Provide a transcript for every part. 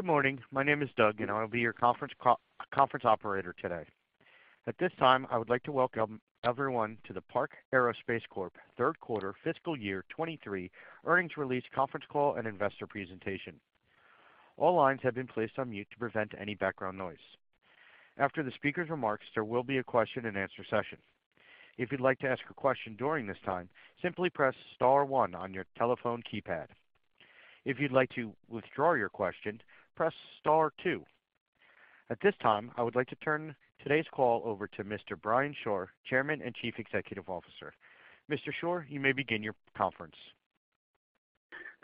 Good morning. My name is Doug, I will be your conference operator today. At this time, I would like to welcome everyone to the Park Aerospace Corp third quarter fiscal year 23 earnings release conference call and investor presentation. All lines have been placed on mute to prevent any background noise. After the speaker's remarks, there will be a question and answer session. If you'd like to ask a question during this time, simply press star one on your telephone keypad. If you'd like to withdraw your question, press star two. At this time, I would like to turn today's call over to Mr. Brian Shore, Chairman and Chief Executive Officer. Mr. Shore, you may begin your conference.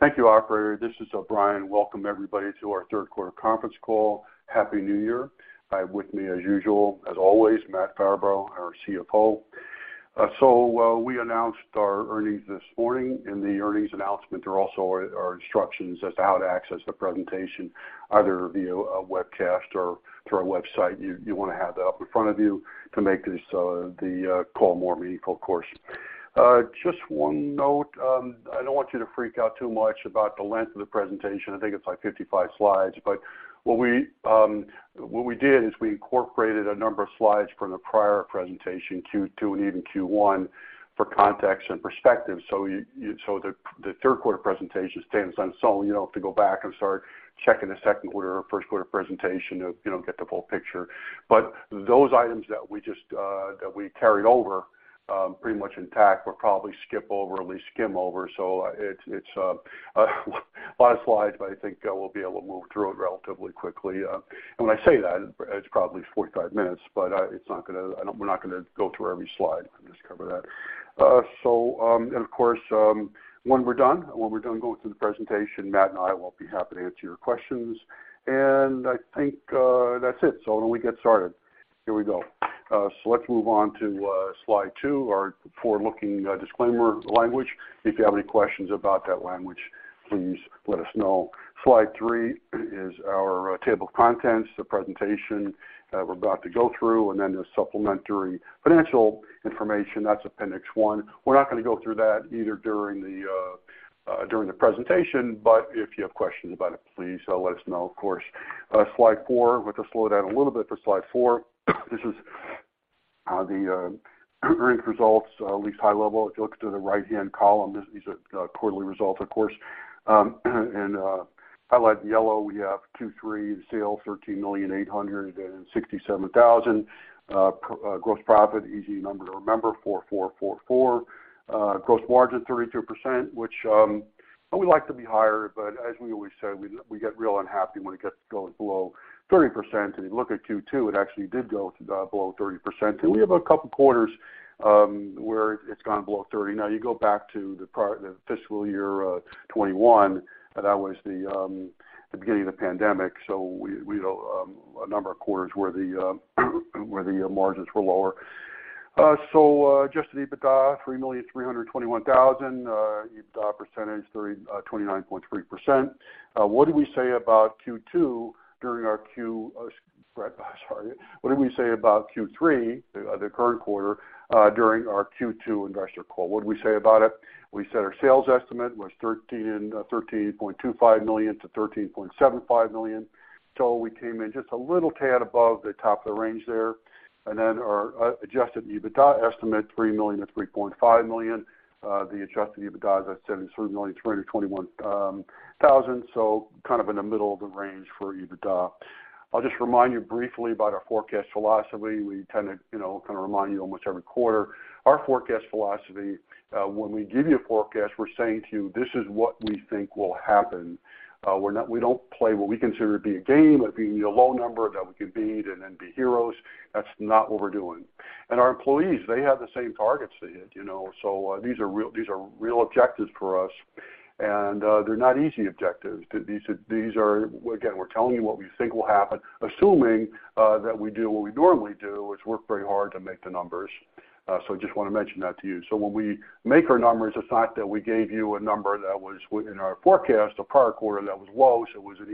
Thank you, operator. This is Brian. Welcome everybody to our third quarter conference call. Happy New Year. I have with me, as usual, as always, Matt Farabaugh, our CFO. We announced our earnings this morning. In the earnings announcement, there also are instructions as to how to access the presentation either via a webcast or through our website. You wanna have that up in front of you to make this the call more meaningful, of course. Just one note. I don't want you to freak out too much about the length of the presentation. I think it's like 55 slides. What we did is we incorporated a number of slides from the prior presentation, Q2 and even Q1, for context and perspective. The third quarter presentation stands on its own. You don't have to go back and start checking the second quarter or first quarter presentation to, you know, get the full picture. Those items that we just that we carried over pretty much intact, we'll probably skip over or at least skim over. It's a lot of slides, but I think we'll be able to move through it relatively quickly. When I say that, it's probably 45 minutes, but it's not gonna and we're not gonna go through every slide and just cover that. And of course, when we're done going through the presentation, Matt and I will be happy to answer your questions. I think that's it. Why don't we get started? Here we go. Let's move on to slide two, our forward-looking disclaimer language. If you have any questions about that language, please let us know. Slide 3 is our table of contents, the presentation that we're about to go through, and then the supplementary financial information. That's appendix one. We're not gonna go through that either during the presentation, but if you have questions about it, please let us know, of course. Slide four. We're gonna slow down a little bit for slide four. This is the earnings results, at least high level. If you look to the right-hand column, this is quarterly results, of course. Highlight yellow, we have 23 sales, $13,867,000. Gross profit, easy number to remember, $4,444. Gross margin 32%, which we like to be higher, as we always say, we get real unhappy when it gets going below 30%. You look at Q2, it actually did go below 30%. We have a couple quarters where it's gone below 30. Now, you go back to the fiscal year 2021, that was the beginning of the pandemic. We a number of quarters where the margins were lower. Adjusted EBITDA, $3,321,000. EBITDA percentage 30, 29.3%. What did we say about Q2 during our? What did we say about Q3, the current quarter, during our Q2 investor call? What did we say about it? We said our sales estimate was $13.25 million-$13.75 million. We came in just a little tad above the top of the range there. Our adjusted EBITDA estimate, $3 million-$3.5 million. The adjusted EBITDA, as I said, is $3,321,000. Kind of in the middle of the range for EBITDA. I'll just remind you briefly about our forecast philosophy. We tend to, you know, kind of remind you almost every quarter. Our forecast philosophy, when we give you a forecast, we're saying to you, "This is what we think will happen." We don't play what we consider to be a game of beating a low number that we can beat and then be heroes. That's not what we're doing. Our employees, they have the same targets they hit, you know, these are real objectives for us, they're not easy objectives. Again, we're telling you what we think will happen, assuming that we do what we normally do, which is work very hard to make the numbers. I just wanna mention that to you. When we make our numbers, it's not that we gave you a number that was in our forecast the prior quarter that was low, it was an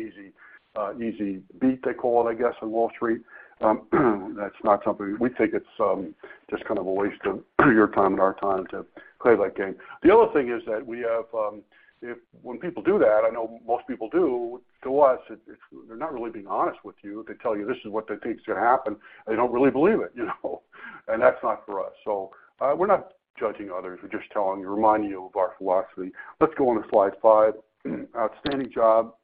easy beat, they call it, I guess, on Wall Street. That's not something. We think it's just kind of a waste of your time and our time to play that game. The other thing is that we have, when people do that, I know most people do, to us, it's they're not really being honest with you. They tell you, "This is what they think is gonna happen." They don't really believe it, you know? That's not for us. We're not judging others. We're just telling you, reminding you of our philosophy. Let's go on to slide five. Outstanding job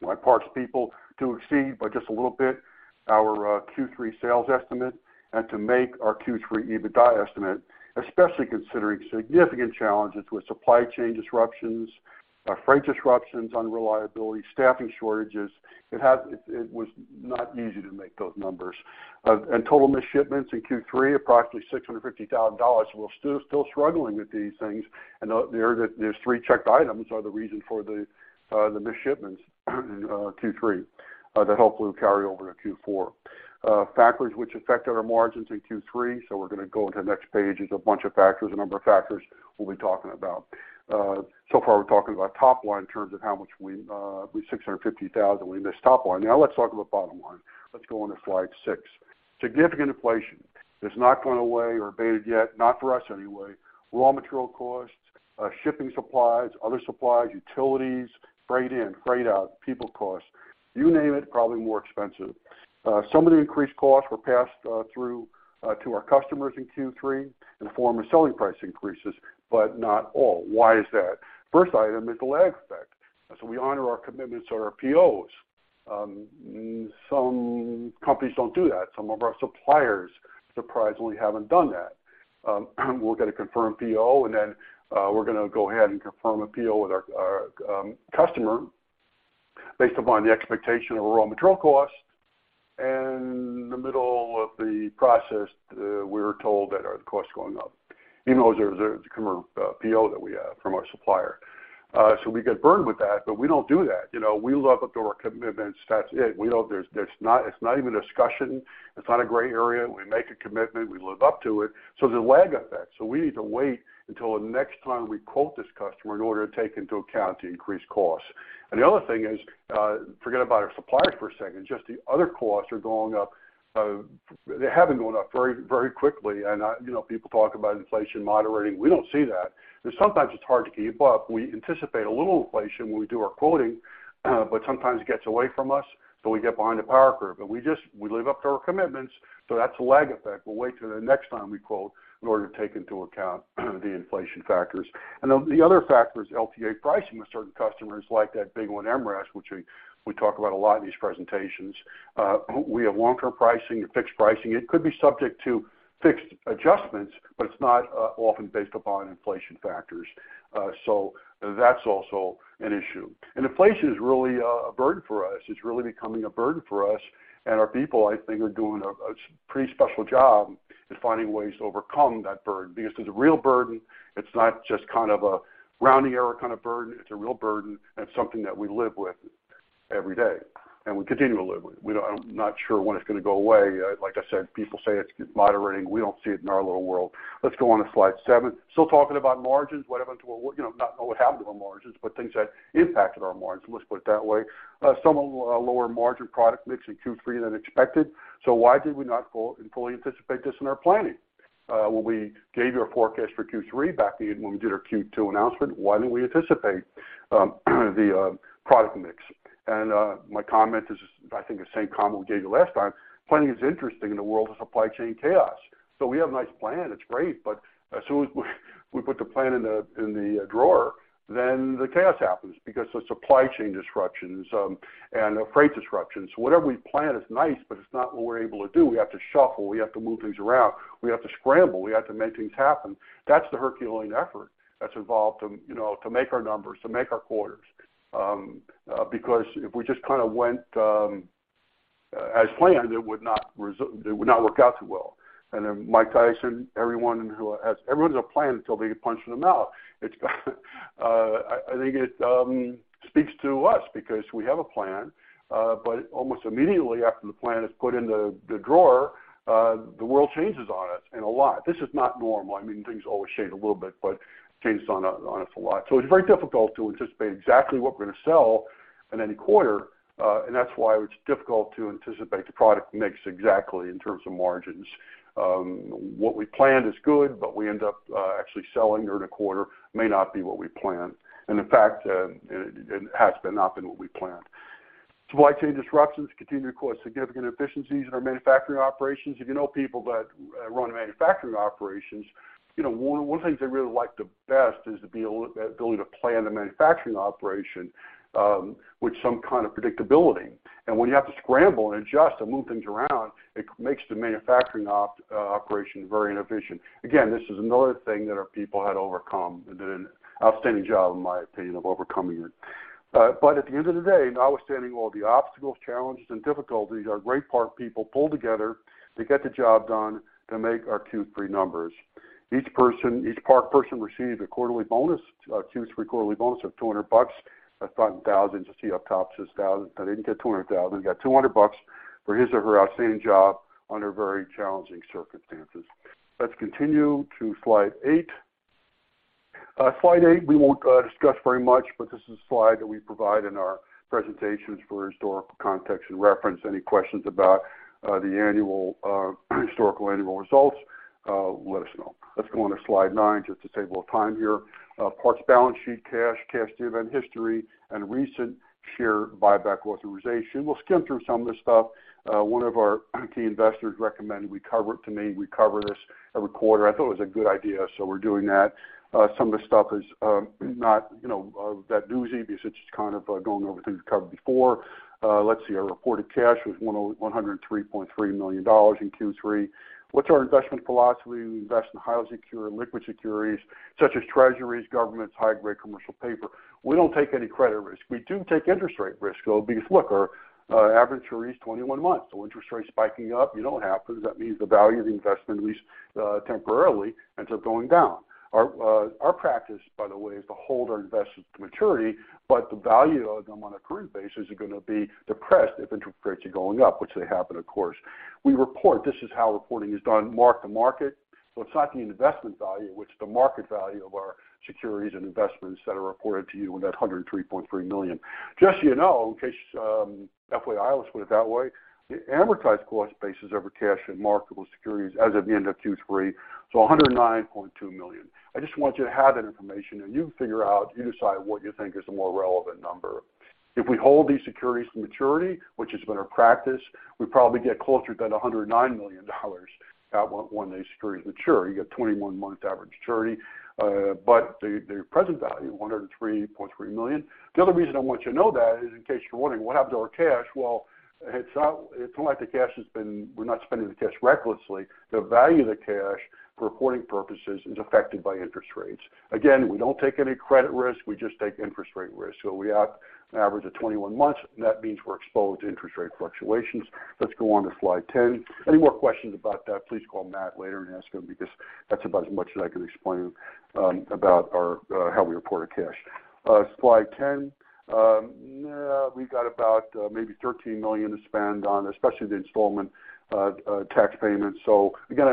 by Park's people to exceed by just a little bit our Q3 sales estimate and to make our Q3 EBITDA estimate, especially considering significant challenges with supply chain disruptions, freight disruptions, unreliability, staffing shortages. It was not easy to make those numbers. Total missed shipments in Q3, approximately $650,000. We're still struggling with these things. Those 3 checked items are the reason for the missed shipments in Q3 that hopefully will carry over to Q4. Factors which affected our margins in Q3, we're gonna go into the next page, is a bunch of factors, a number of factors we'll be talking about. So far, we're talking about top line in terms of how much we $650,000, we missed top line. Now let's talk about bottom line. Let's go on to slide six. Significant inflation. It's not gone away or abated yet, not for us anyway. Raw material costs, shipping supplies, other supplies, utilities, freight in, freight out, people costs, you name it, probably more expensive. Some of the increased costs were passed through to our customers in Q3 in the form of selling price increases, not all. Why is that? First item is the lag effect. We honor our commitments to our POs. Some companies don't do that. Some of our suppliers surprisingly haven't done that. We'll get a confirmed PO, we're going to go ahead and confirm a PO with our customer based upon the expectation of raw material costs. In the middle of the process, we're told that our cost is going up, even though there's a customer PO that we have from our supplier. We get burned with that, we don't do that. You know, we live up to our commitments. That's it. It's not even a discussion. It's not a gray area. We make a commitment. We live up to it. There's a lag effect. We need to wait until the next time we quote this customer in order to take into account the increased costs. The other thing is, forget about our suppliers for a second, just the other costs are going up. They have been going up very, very quickly. You know, people talk about inflation moderating. We don't see that. Sometimes it's hard to keep up. We anticipate a little inflation when we do our quoting, but sometimes it gets away from us, so we get behind the power curve. We live up to our commitments, so that's a lag effect. We'll wait till the next time we quote in order to take into account the inflation factors. The other factor is LTA pricing with certain customers like that big one MRes, which we talk about a lot in these presentations. We have long-term pricing and fixed pricing. It could be subject to fixed adjustments, but it's not often based upon inflation factors. That's also an issue. Inflation is really a burden for us. It's really becoming a burden for us and our people, I think, are doing a pretty special job in finding ways to overcome that burden. It's a real burden. It's not just kind of a rounding error kind of burden. It's a real burden, and it's something that we live with every day, and we continue to live with. We don't. I'm not sure when it's gonna go away. Like I said, people say it's moderating. We don't see it in our little world. Let's go on to slide seven. Still talking about margins. You know, not what happened to our margins, but things that impacted our margins. Let's put it that way. Some of our lower margin product mix in Q3 than expected. Why did we not fully anticipate this in our planning? When we gave you our forecast for Q3 back in when we did our Q2 announcement, why didn't we anticipate the product mix? My comment is, I think the same comment we gave you last time. Planning is interesting in the world of supply chain chaos. We have a nice plan. It's great, but as soon as we put the plan in the drawer, then the chaos happens because the supply chain disruptions, and the freight disruptions. Whatever we plan is nice, but it's not what we're able to do. We have to shuffle. We have to move things around. We have to scramble. We have to make things happen. That's the Herculean effort that's involved to, you know, to make our numbers, to make our quarters. Because if we just kinda went as planned, it would not work out too well. Mike Tyson, everyone has a plan until they get punched in the mouth. I think it speaks to us because we have a plan, but almost immediately after the plan is put in the drawer, the world changes on us and a lot. This is not normal. I mean, things always change a little bit, but it changes on us a lot. It's very difficult to anticipate exactly what we're gonna sell in any quarter, and that's why it's difficult to anticipate the product mix exactly in terms of margins. What we planned is good, but we end up actually selling during the quarter may not be what we planned, and in fact, it has been not been what we planned. Supply chain disruptions continue to cause significant inefficiencies in our manufacturing operations. If you know people that run manufacturing operations, you know, one of the things they really like the best is the ability to plan the manufacturing operation with some kind of predictability. When you have to scramble and adjust and move things around, it makes the manufacturing operation very inefficient. Again, this is another thing that our people had overcome and did an outstanding job, in my opinion, of overcoming it. At the end of the day, notwithstanding all the obstacles, challenges, and difficulties, our great Park people pulled together to get the job done to make our Q3 numbers. Each person, each Park person received a quarterly bonus, a Q3 quarterly bonus of $200. I thought in thousands. You see up top it says thousand. They didn't get $200,000. They got $200 for his or her outstanding job under very challenging circumstances. Let's continue to slide 8. Slide 8 we won't discuss very much, but this is a slide that we provide in our presentations for historical context and reference. Any questions about the annual historical annual results, let us know. Let's go on to slide 9 just to save a little time here. Park's balance sheet, cash dividend history, and recent share buyback authorization. We'll skim through some of this stuff. One of our key investors recommended we cover this every quarter. I thought it was a good idea, we're doing that. Some of this stuff is not, you know, that newsy because it's just kind of going over things we covered before. Let's see. Our reported cash was $103.3 million in Q3. What's our investment philosophy? We invest in highly secure liquid securities such as treasuries, governments, high-grade commercial paper. We don't take any credit risk. We do take interest rate risk, though, because look, our average maturity is 21 months. Interest rates spiking up, you know it happens. That means the value of the investment, at least, temporarily, ends up going down. Our practice, by the way, is to hold our investments to maturity, but the value of them on a current basis are gonna be depressed if interest rates are going up, which they have been, of course. We report, this is how reporting is done, mark-to-market. It's not the investment value, it's the market value of our securities and investments that are reported to you in that $103.3 million. Just so you know, in case, FYIs put it that way, the amortized cost basis of our cash and marketable securities as of the end of Q3 is $109.2 million. I just want you to have that information, and you figure out, you decide what you think is the more relevant number. If we hold these securities to maturity, which has been our practice, we probably get closer to that $109 million. That one, when the securities mature, you get 21-month average maturity. The present value, $103.3 million. The other reason I want you to know that is in case you're wondering what happened to our cash. Well, it's not like the cash has been. We're not spending the cash recklessly. The value of the cash for reporting purposes is affected by interest rates. Again, we don't take any credit risk, we just take interest rate risk. We have an average of 21 months, and that means we're exposed to interest rate fluctuations. Let's go on to slide 10. Any more questions about that, please call Matt later and ask him, because that's about as much as I can explain about our how we report our cash. Slide 10. We've got about maybe $13 million to spend on especially the installment tax payments. Again,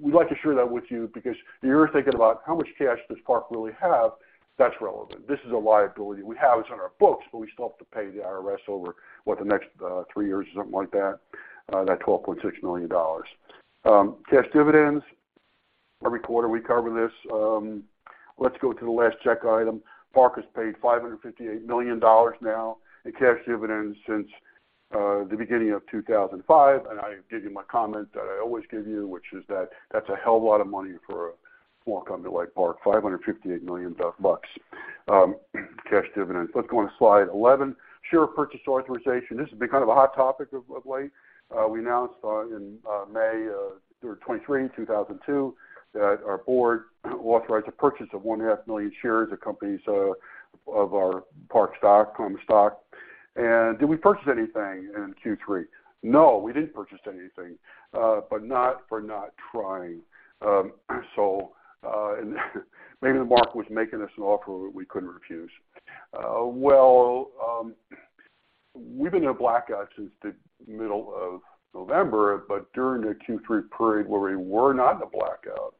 we like to share that with you because you're thinking about how much cash does Park really have, that's relevant. This is a liability we have. It's on our books, but we still have to pay the IRS over the next three years or something like that $12.6 million. Cash dividends. Every quarter, we cover this. Let's go to the last check item. Park has paid $558 million now in cash dividends since the beginning of 2005. I give you my comment that I always give you, which is that's a hell lot of money for a small company like Park. $558 million bucks, cash dividends. Let's go on to slide 11. Share purchase authorization. This has been kind of a hot topic of late. We announced in May 3rd, 23, 2002, that our board authorized the purchase of 1.5 million shares of companies of our Park stock, common stock. Did we purchase anything in Q3? No, we didn't purchase anything, but not for not trying. Maybe the market was making us an offer we couldn't refuse. Well, we've been in a blackout since the middle of November, but during the Q3 period where we were not in a blackout,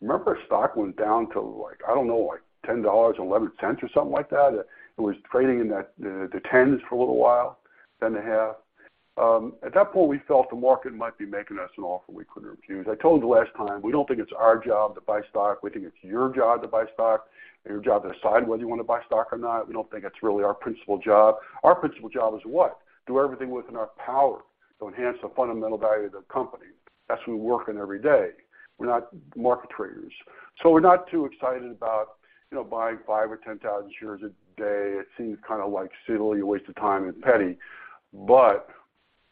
remember our stock went down to like, I don't know, like $10.11 or something like that. It was trading in that, the 10s for a little while, ten and a half. At that point, we felt the market might be making us an offer we couldn't refuse. I told you the last time, we don't think it's our job to buy stock. We think it's your job to buy stock and your job to decide whether you want to buy stock or not. We don't think it's really our principal job. Our principal job is what? Do everything within our power to enhance the fundamental value of the company. That's what we work on every day. We're not market traders. We're not too excited about, you know, buying five or 10,000 shares a day. It seems kind of like silly, a waste of time and petty.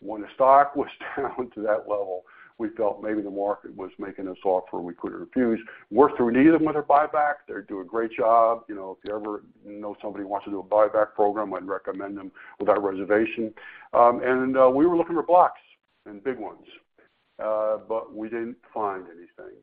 When the stock was down to that level, we felt maybe the market was making us offer we couldn't refuse. Worked through an agent with our buyback. They do a great job. You know, if you ever know somebody who wants to do a buyback program, I'd recommend them without reservation. We were looking for blocks and big ones, we didn't find anything.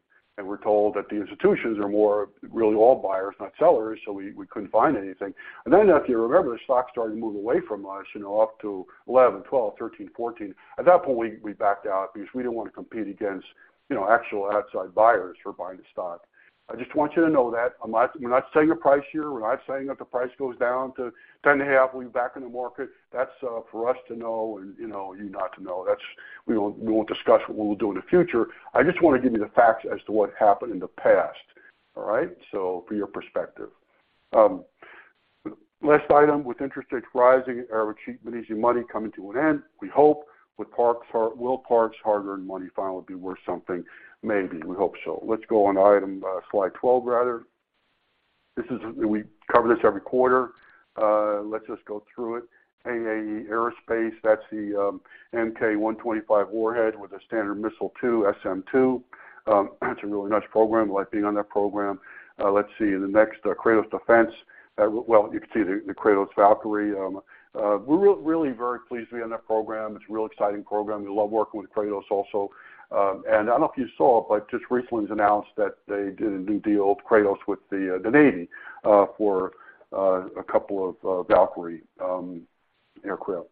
We're told that the institutions are more really all buyers, not sellers, so we couldn't find anything. If you remember, the stock started to move away from us, you know, up to 11, 12, 13, 14. At that point, we backed out because we didn't wanna compete against, you know, actual outside buyers who are buying the stock. I just want you to know that we're not setting a price here. We're not saying that the price goes down to ten and a half, we'll be back in the market. That's for us to know and, you know, you not to know. That's we won't discuss what we'll do in the future. I just wanna give you the facts as to what happened in the past. All right? For your perspective. Last item, with interest rates rising, era of cheap and easy money coming to an end, we hope, with Park's or will Park's hard-earned money finally be worth something? Maybe. We hope so. Let's go on to item, slide 12, rather. We cover this every quarter. Let's just go through it. AAE Aerospace, that's the Mk 125 warhead with a Standard Missile-2, SM-2. That's a really nice program. Like being on that program. Let's see, in the next, Kratos Defense. Well, you can see the Kratos Valkyrie. We're really very pleased to be on that program. It's a real exciting program. We love working with Kratos also. I don't know if you saw, but just recently it was announced that they did a new deal, Kratos, with the Navy, for a couple of Valkyrie aircraft.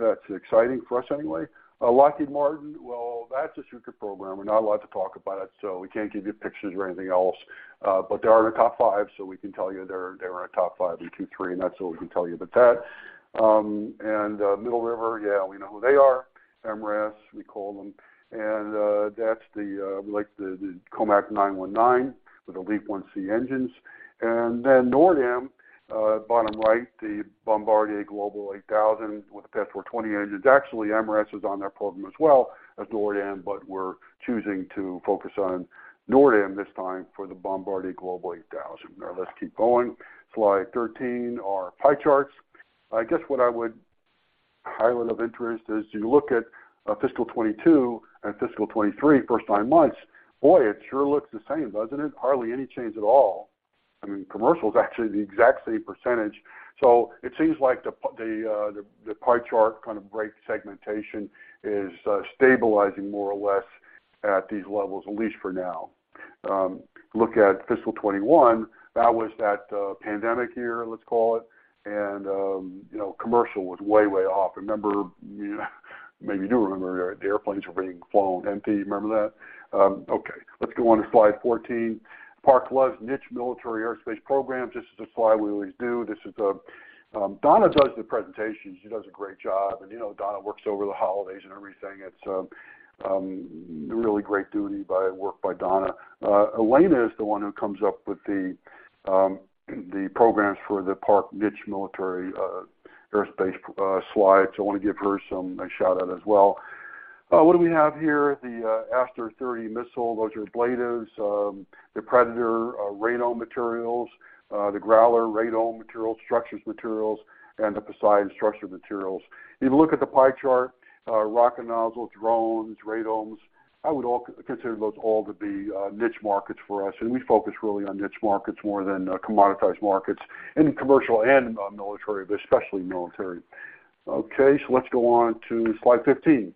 That's exciting for us anyway. Lockheed Martin, well, that's a secret program. We're not allowed to talk about it, so we can't give you pictures or anything else. They are in the top five, so we can tell you they're in our top 5 in Q3, and that's all we can tell you about that. Middle River, yeah, we know who they are. MRS, we call them. That's the like the Comac C919 with the LEAP-1C engines. NORDAM, bottom right, the Bombardier Global 8000 with the PW20 engines. Actually, MRS is on that program as well as NORDAM, we're choosing to focus on NORDAM this time for the Bombardier Global 8000. Let's keep going. Slide 13, our pie charts. I guess what I would highlight of interest is you look at fiscal 22 and fiscal 23, first nine months. Boy, it sure looks the same, doesn't it? Hardly any change at all. I mean, commercial is actually the exact same %. It seems like the pie chart kind of break segmentation is stabilizing more or less at these levels, at least for now. Look at fiscal 21. That was that pandemic year, let's call it. You know, commercial was way off. Remember, you know, maybe you do remember, the airplanes were being flown empty. Remember that? Okay, let's go on to slide 14. Park loves niche military aerospace programs. This is a slide we always do. This is, Donna does the presentations. She does a great job. You know, Donna works over the holidays and everything. It's really great duty by work by Donna. Elena is the one who comes up with the programs for the Park Niche Military Aerospace slides. I want to give her some a shout-out as well. What do we have here? The Aster 30 missile. Those are ablatives. The Predator radome materials, the Growler radome materials, structures materials, and the Poseidon structure materials. If you look at the pie chart, rocket nozzle, drones, radomes, I would all consider those all to be niche markets for us, and we focus really on niche markets more than commoditized markets in commercial and military, but especially military. Let's go on to slide 15.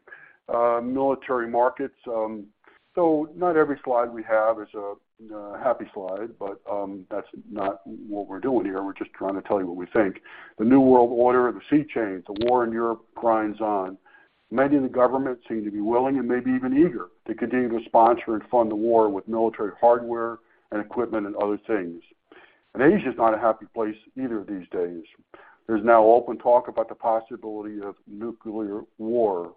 Military markets. Not every slide we have is a happy slide, but that's not what we're doing here. We're just trying to tell you what we think. The new world order, the sea change, the war in Europe grinds on. Many of the governments seem to be willing and maybe even eager to continue to sponsor and fund the war with military hardware and equipment and other things. Asia is not a happy place either these days. There's now open talk about the possibility of nuclear war.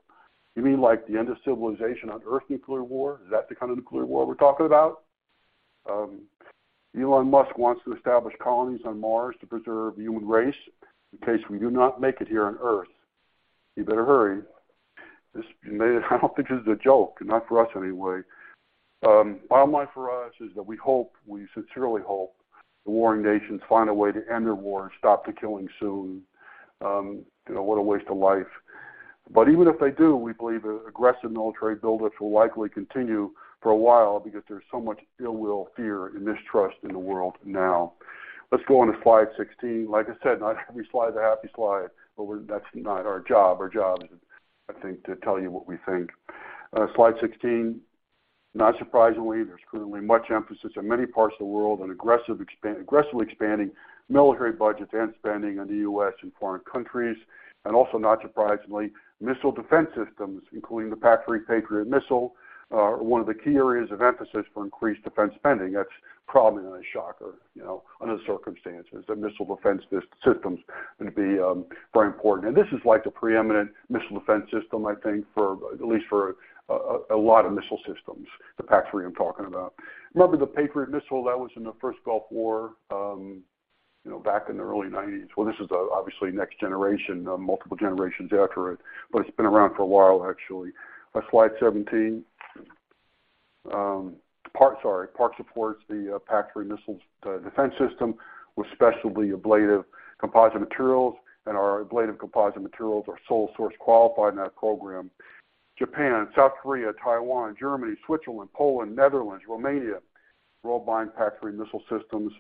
You mean like the end of civilization on Earth nuclear war? Is that the kind of nuclear war we're talking about? Elon Musk wants to establish colonies on Mars to preserve the human race in case we do not make it here on Earth. He better hurry. I don't think this is a joke, not for us anyway. Bottom line for us is that we hope, we sincerely hope the warring nations find a way to end their war and stop the killing soon. You know, what a waste of life. Even if they do, we believe the aggressive military build-ups will likely continue for a while because there's so much ill-will, fear, and mistrust in the world now. Let's go on to slide 16. Like I said, not every slide is a happy slide, but that's not our job. Our job is, I think, to tell you what we think. Slide 16. Not surprisingly, there's currently much emphasis in many parts of the world on aggressively expanding military budgets and spending on the U.S. and foreign countries. Also not surprisingly, missile defense systems, including the Patriot Missile, are one of the key areas of emphasis for increased defense spending. That's probably not a shocker, you know, under the circumstances. The missile defense systems going to be very important. This is like the preeminent missile defense system, I think, for at least for a lot of missile systems. The Patriot I'm talking about. Remember the Patriot Missile that was in the First Gulf War, you know, back in the early nineties. Well, this is obviously next generation, multiple generations after it, but it's been around for a while actually. Slide 17. Park, sorry. Park supports the Patriot Missile Defense System, with specialty ablative composite materials. Our ablative composite materials are sole source qualified in that program. Japan, South Korea, Taiwan, Germany, Switzerland, Poland, Netherlands, Romania, we're all buying Patriot missile systems.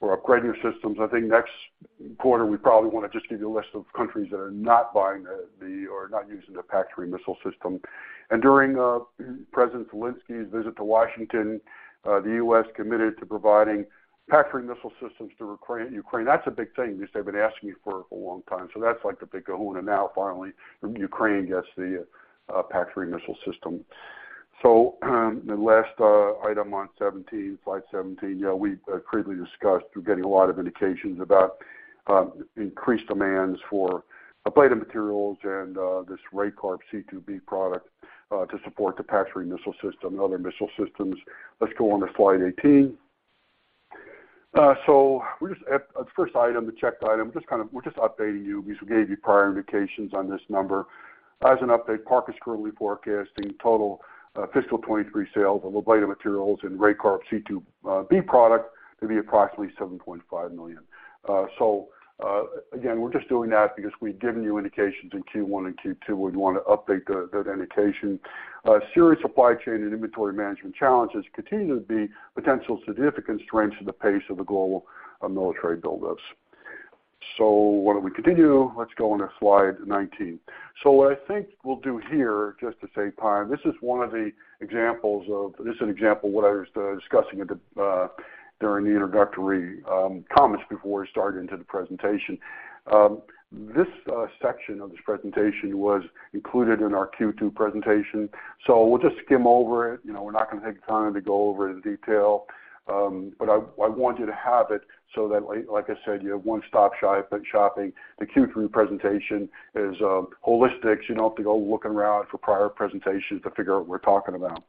We're upgrading our systems. I think next quarter, we probably want to just give you a list of countries that are not buying the or not using the Patriot missile system. During President Zelenskyy's visit to Washington, the U.S. committed to providing Patriot missile systems to Ukraine. That's a big thing because they've been asking it for a long time. That's like the big kahuna. Now, finally, Ukraine gets the Patriot missile system. The last item on 17, slide 17, we previously discussed, we're getting a lot of indications about increased demands for ablative materials and this RayCarb C2B product to support the Patriot missile system and other missile systems. Let's go on to slide 18. We're just at the first item, the checked item. We're just updating you because we gave you prior indications on this number. As an update, Park is currently forecasting total fiscal 23 sales of ablative materials and RayCarb C2B product to be approximately $7.5 million. Again, we're just doing that because we've given you indications in Q1 and Q2. We want to update that indication. Serious supply chain and inventory management challenges continue to be potential significant strengths to the pace of the global military build-ups. Why don't we continue? Let's go on to slide 19. What I think we'll do here, just to save time, this is an example what I was discussing at the during the introductory comments before we started into the presentation. This section of this presentation was included in our Q2 presentation. We'll just skim over it. You know, we're not gonna take time to go over it in detail. But I want you to have it so that, like I said, you have one-stop shop-shopping. The Q3 presentation is holistic, so you don't have to go looking around for prior presentations to figure out what we're talking about.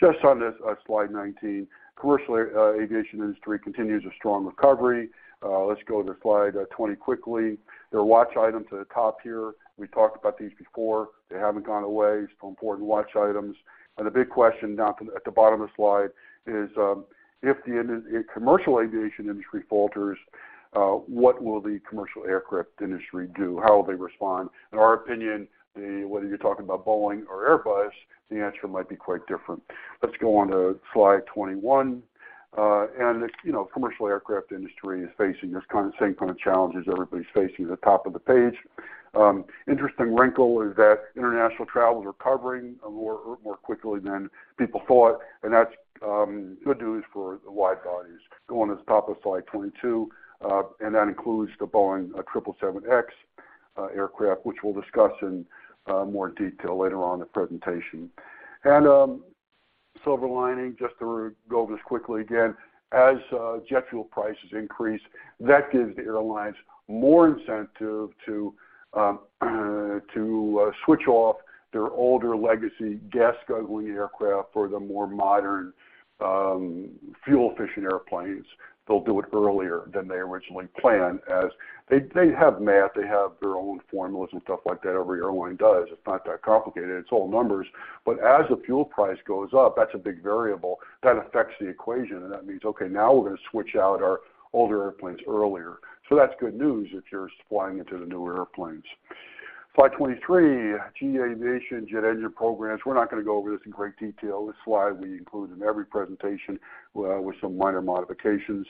Just on this slide 19. Commercial aviation industry continues a strong recovery. Let's go to slide 20 quickly. There are watch items at the top here. We talked about these before. They haven't gone away. Still important watch items. The big question down at the bottom of the slide is, if commercial aviation industry falters, what will the commercial aircraft industry do? How will they respond? In our opinion, whether you're talking about Boeing or Airbus, the answer might be quite different. Let's go on to slide 21. You know, commercial aircraft industry is facing this kind of same kind of challenges everybody's facing at the top of the page. Interesting wrinkle is that international travel is recovering more quickly than people thought, and that's good news for the wide bodies. Go on to the top of slide 22. That includes the Boeing 777X aircraft, which we'll discuss in more detail later on in the presentation. Silver lining, just to go over this quickly again. As jet fuel prices increase, that gives the airlines more incentive to switch off their older legacy gas-guzzling aircraft for the more modern, fuel-efficient airplanes. They'll do it earlier than they originally planned, as they have math. They have their own formulas and stuff like that. Every airline does. It's not that complicated. It's all numbers. As the fuel price goes up, that's a big variable that affects the equation, and that means, okay, now we're gonna switch out our older airplanes earlier. That's good news if you're supplying into the newer airplanes. Slide 23, GE Aviation jet engine programs. We're not gonna go over this in great detail. This slide we include in every presentation with some minor modifications.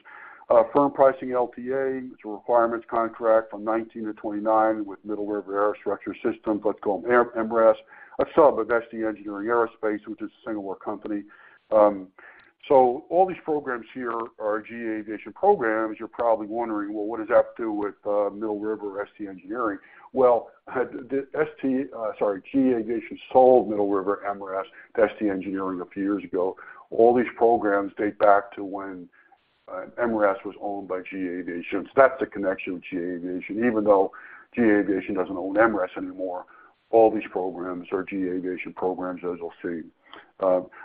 Firm pricing LTA, it's a requirements contract from 19 to 29 with Middle River Aerostructure System, let's call them MRAS, a sub of ST Engineering Aerospace, which is a Singapore company. All these programs here are GE Aviation programs. You're probably wondering, "Well, what does that do with Middle River or ST Engineering?" Well, sorry, GE Aviation sold Middle River, MRAS to ST Engineering a few years ago. All these programs date back to when MRAS was owned by GE Aviation, that's the connection with GE Aviation. Even though GE Aviation doesn't own MRAS anymore, all these programs are GE Aviation programs, as you'll see.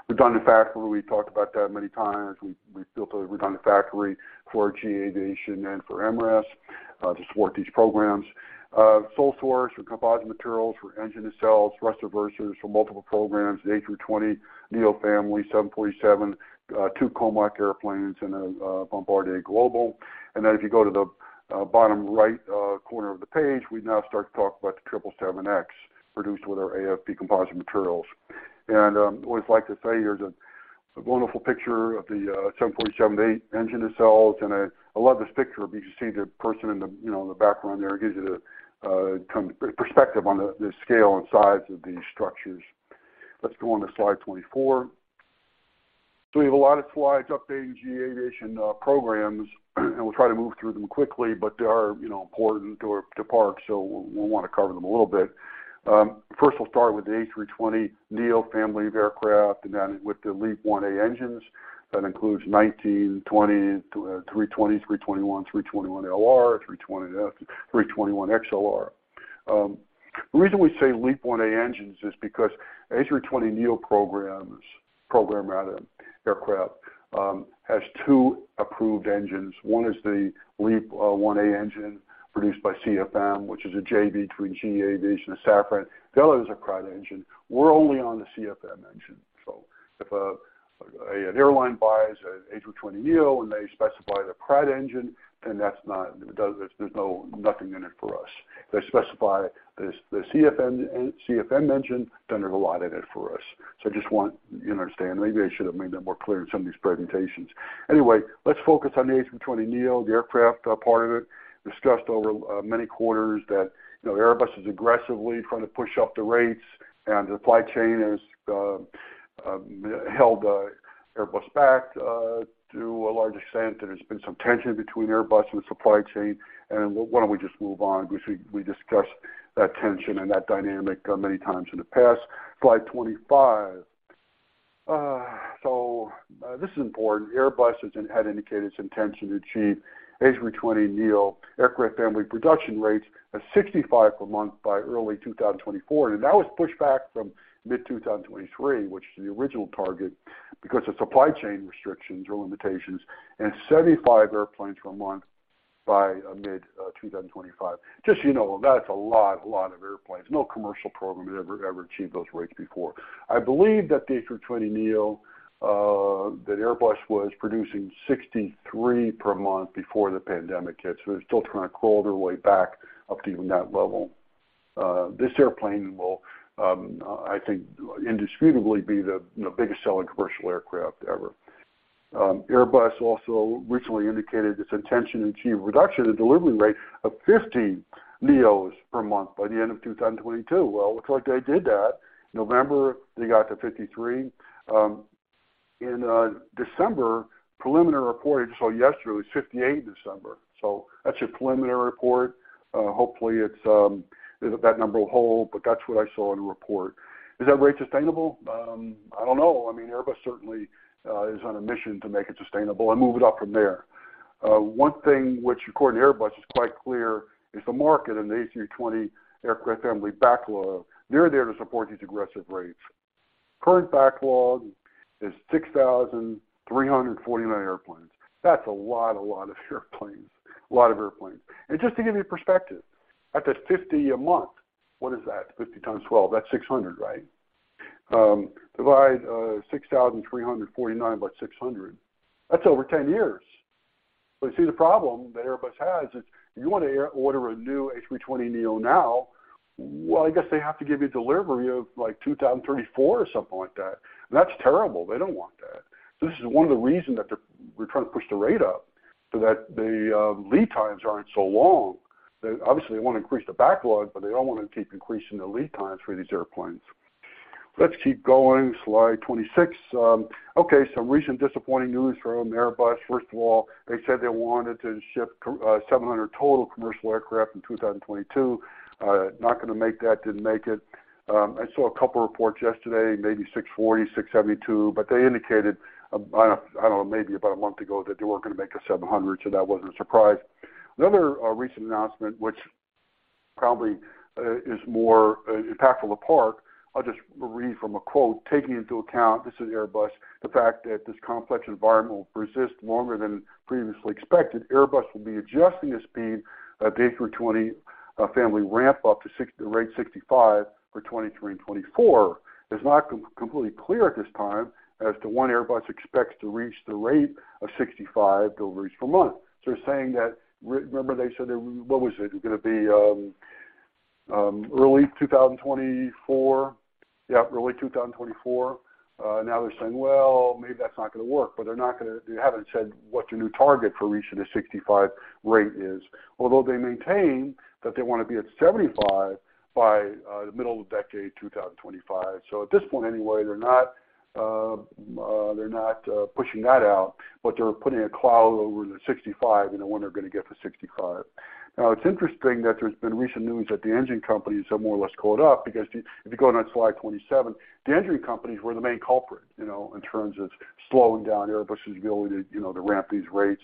Redundant factory, we talked about that many times. We built a redundant factory for GE Aerospace and for MRAS to support these programs. Sole source for composite materials for engine nacelles, thrust reversers for multiple programs, the A320neo family, 747, 2 Comac airplanes and a Bombardier Global. If you go to the bottom right corner of the page, we now start to talk about the 777X, produced with our AFP composite materials. Always like to say, here's a wonderful picture of the 747-8 engine nacelles, and I love this picture because you see the person in the, you know, in the background there. It gives you the kind of perspective on the scale and size of these structures. Let's go on to slide 24. We have a lot of slides updating GE Aerospace programs, and we'll try to move through them quickly, but they are, you know, important to Park, so we'll wanna cover them a little bit. First we'll start with the A320neo family of aircraft and then with the LEAP-1A engines. That includes 19, 20, A320, A321, A321LR, A320P2F, A321XLR. The reason we say LEAP-1A engines is because A320neo programs, program rather, aircraft, has two approved engines. One is the LEAP-1A engine produced by CFM, which is a JV between GE Aerospace and Safran. The other is a Pratt engine. We're only on the CFM engine. If an airline buys an A320neo and they specify the Pratt engine, then that's not... There's nothing in it for us. If they specify the CFM engine, there's a lot in it for us. I just want you to understand. Maybe I should have made that more clear in some of these presentations. Anyway, let's focus on the A320neo, the aircraft part of it. Discussed over many quarters that, you know, Airbus is aggressively trying to push up the rates and the supply chain has held Airbus back to a large extent. There's been some tension between Airbus and the supply chain. Why don't we just move on? We discussed that tension and that dynamic many times in the past. Slide 25. This is important. Airbus has indicated its intention to achieve A320neo aircraft family production rates of 65 per month by early 2024. That was pushed back from mid 2023, which is the original target, because of supply chain restrictions or limitations and 75 airplanes per month by mid 2025. Just so you know, that's a lot of airplanes. No commercial program has ever achieved those rates before. I believe that the A320neo that Airbus was producing 63 per month before the pandemic hit, so they're still trying to crawl their way back up to even that level. This airplane will, I think indisputably be the, you know, biggest selling commercial aircraft ever. Airbus also recently indicated its intention to achieve a reduction in delivery rate of 50 neos per month by the end of 2022. Well, looks like they did that. November, they got to 53. In December, preliminary report I just saw yesterday was 58 in December. That's a preliminary report. Hopefully it's that number will hold, but that's what I saw in the report. Is that rate sustainable? I don't know. I mean, Airbus certainly is on a mission to make it sustainable and move it up from there. One thing which, according to Airbus, is quite clear is the market and the A320 aircraft family backlog, they're there to support these aggressive rates. Current backlog is 6,349 airplanes. That's a lot of airplanes. A lot of airplanes. Just to give you perspective, at the 50 a month, what is that? 50 times 12, that's 600, right? Divide 6,349 by 600. That's over 10 years. You see the problem that Airbus has is, if you want to order a new A320neo now, well, I guess they have to give you a delivery of like 2034 or something like that. That's terrible. They don't want that. This is one of the reason we're trying to push the rate up so that the lead times aren't so long, that obviously they want to increase the backlog, but they don't want to keep increasing the lead times for these airplanes. Let's keep going. Slide 26. Okay, some recent disappointing news from Airbus. First of all, they said they wanted to ship 700 total commercial aircraft in 2022. Not gonna make that, didn't make it. I saw a couple reports yesterday, maybe 640, 672, but they indicated, I don't know, maybe about a month ago that they weren't gonna make a 700, so that wasn't a surprise. Another recent announcement, which probably is more impactful to Park, I'll just read from a quote, "Taking into account," this is Airbus, "the fact that this complex environment will persist longer than previously expected, Airbus will be adjusting the speed of the A320 family ramp-up to rate 65 for 2023 and 2024. It's not completely clear at this time as to when Airbus expects to reach the rate of 65 deliveries per month." They're saying that remember they said they were what was it? It was gonna be early 2024. Yeah, early 2024. Now they're saying, "Well, maybe that's not gonna work." They haven't said what the new target for reaching the 65 rate is. Although they maintain that they wanna be at 75 by the middle of the decade, 2025. At this point anyway, they're not, they're not pushing that out, but they're putting a cloud over the 65 and when they're gonna get to 65. It's interesting that there's been recent news that the engine companies have more or less caught up because if you, if you go on slide 27, the engine companies were the main culprit, you know, in terms of slowing down Airbus's ability, you know, to ramp these rates.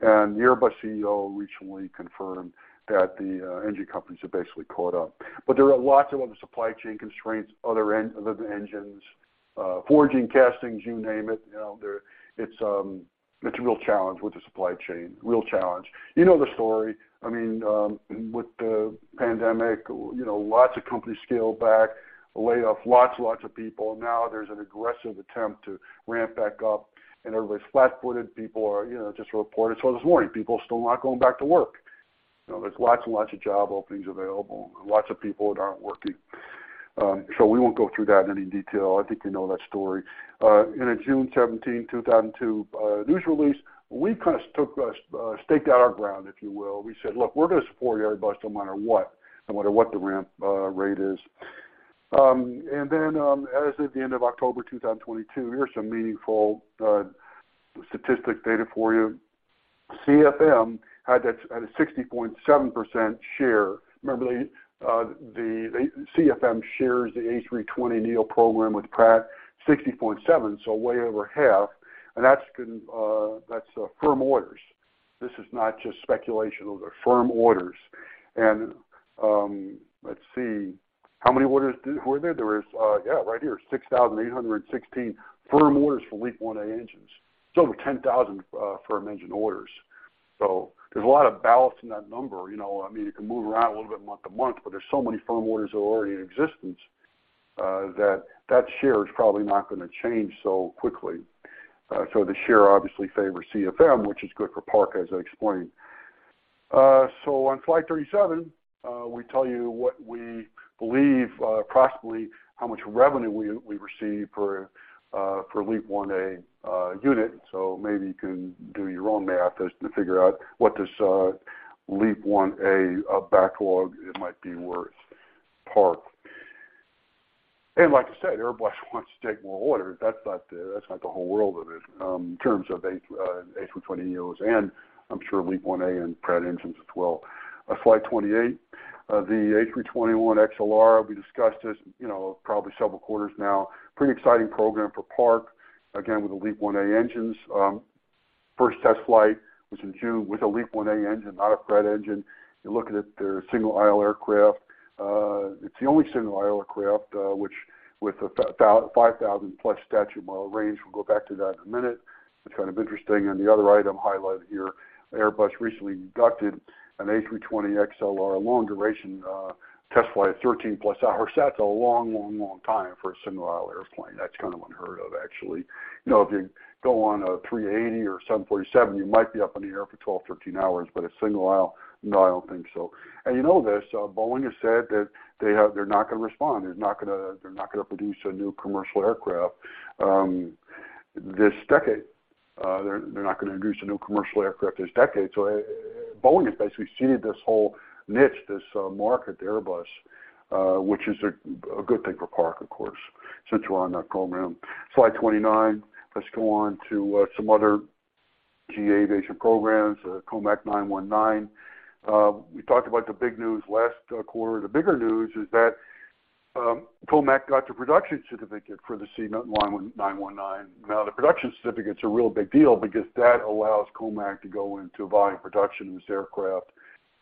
The Airbus CEO recently confirmed that the engine companies have basically caught up. There are lots of other supply chain constraints, other than engines, forging, castings, you name it. You know, it's a real challenge with the supply chain. Real challenge. You know the story. I mean, with the pandemic, you know, lots of companies scaled back, laid off lots and lots of people. Now there's an aggressive attempt to ramp back up, and everybody's flat-footed. People are, you know, just reported saw this morning, people are still not going back to work. You know, there's lots and lots of job openings available and lots of people that aren't working. We won't go through that in any detail. I think you know that story. In a June 17, 2002 news release, we kind of took, staked out our ground, if you will. We said, "Look, we're gonna support Airbus no matter what, no matter what the ramp rate is." As of the end of October 2022, here's some meaningful statistics data for you. CFM had that at a 60.7% share. Remember the CFM shares the A320neo program with Pratt, 60.7, so way over half. That's firm orders. This is not just speculation. Those are firm orders. Let's see. How many orders were there? There was right here, 6,816 firm orders for LEAP-1A engines. It's over 10,000 firm engine orders. There's a lot of balance in that number. You know, I mean, it can move around a little bit month to month, but there's so many firm orders that are already in existence, that share is probably not gonna change so quickly. The share obviously favors CFM, which is good for Park, as I explained. On slide 37, we tell you what we believe, approximately how much revenue we receive per LEAP-1A unit. So maybe you can do your own math as to figure out what this LEAP-1A backlog it might be worth Park. Like I said, Airbus wants to take more orders. That's not the, that's not the whole world of it, in terms of A3 A320neos, and I'm sure LEAP-1A and Pratt & Whitney engines as well. Slide 28, the A321XLR, we discussed this, you know, probably several quarters now. Pretty exciting program for Park, again, with the LEAP-1A engines. First test flight was in June with a LEAP-1A engine, not a Pratt engine. You're looking at their single-aisle aircraft. It's the only single-aisle aircraft, which with a 5,000-plus statute mile range. We'll go back to that in a minute. It's kind of interesting. The other item highlighted here, Airbus recently conducted an A320XLR long-duration test flight, 13-plus hours. That's a long, long, long time for a single-aisle airplane. That's kind of unheard of, actually. You know, if you go on a three-eighty or seven-forty-seven, you might be up in the air for 12, 13 hours, but a single aisle, no, I don't think so. You know this, Boeing has said that they're not gonna respond. They're not gonna produce a new commercial aircraft this decade. They're not gonna introduce a new commercial aircraft this decade. Boeing has basically seeded this whole niche, this market to Airbus, which is a good thing for Park, of course, since we're on that program. Slide 29, let's go on to some other GA-based programs, COMAC 919. We talked about the big news last quarter. The bigger news is that COMAC got the production certificate for the C919. Now, the production certificate's a real big deal because that allows COMAC to go into volume production of this aircraft.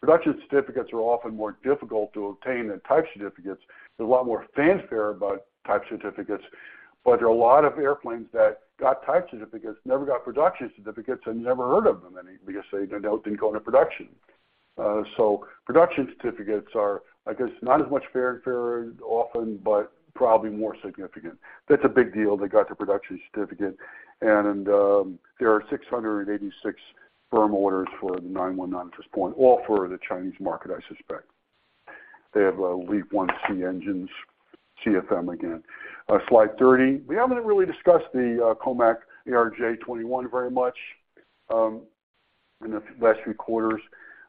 Production certificates are often more difficult to obtain than type certificates. There's a lot more fanfare about type certificates, but there are a lot of airplanes that got type certificates, never got production certificates, and never heard of them because they don't, didn't go into production. So production certificates are, I guess, not as much fanfare often, but probably more significant. That's a big deal they got their production certificate. There are 686 firm orders for the C919 at this point, all for the Chinese market, I suspect. They have LEAP-1C engines, CFM again. Slide 30. We haven't really discussed the Comac ARJ21 very much. In the last few quarters.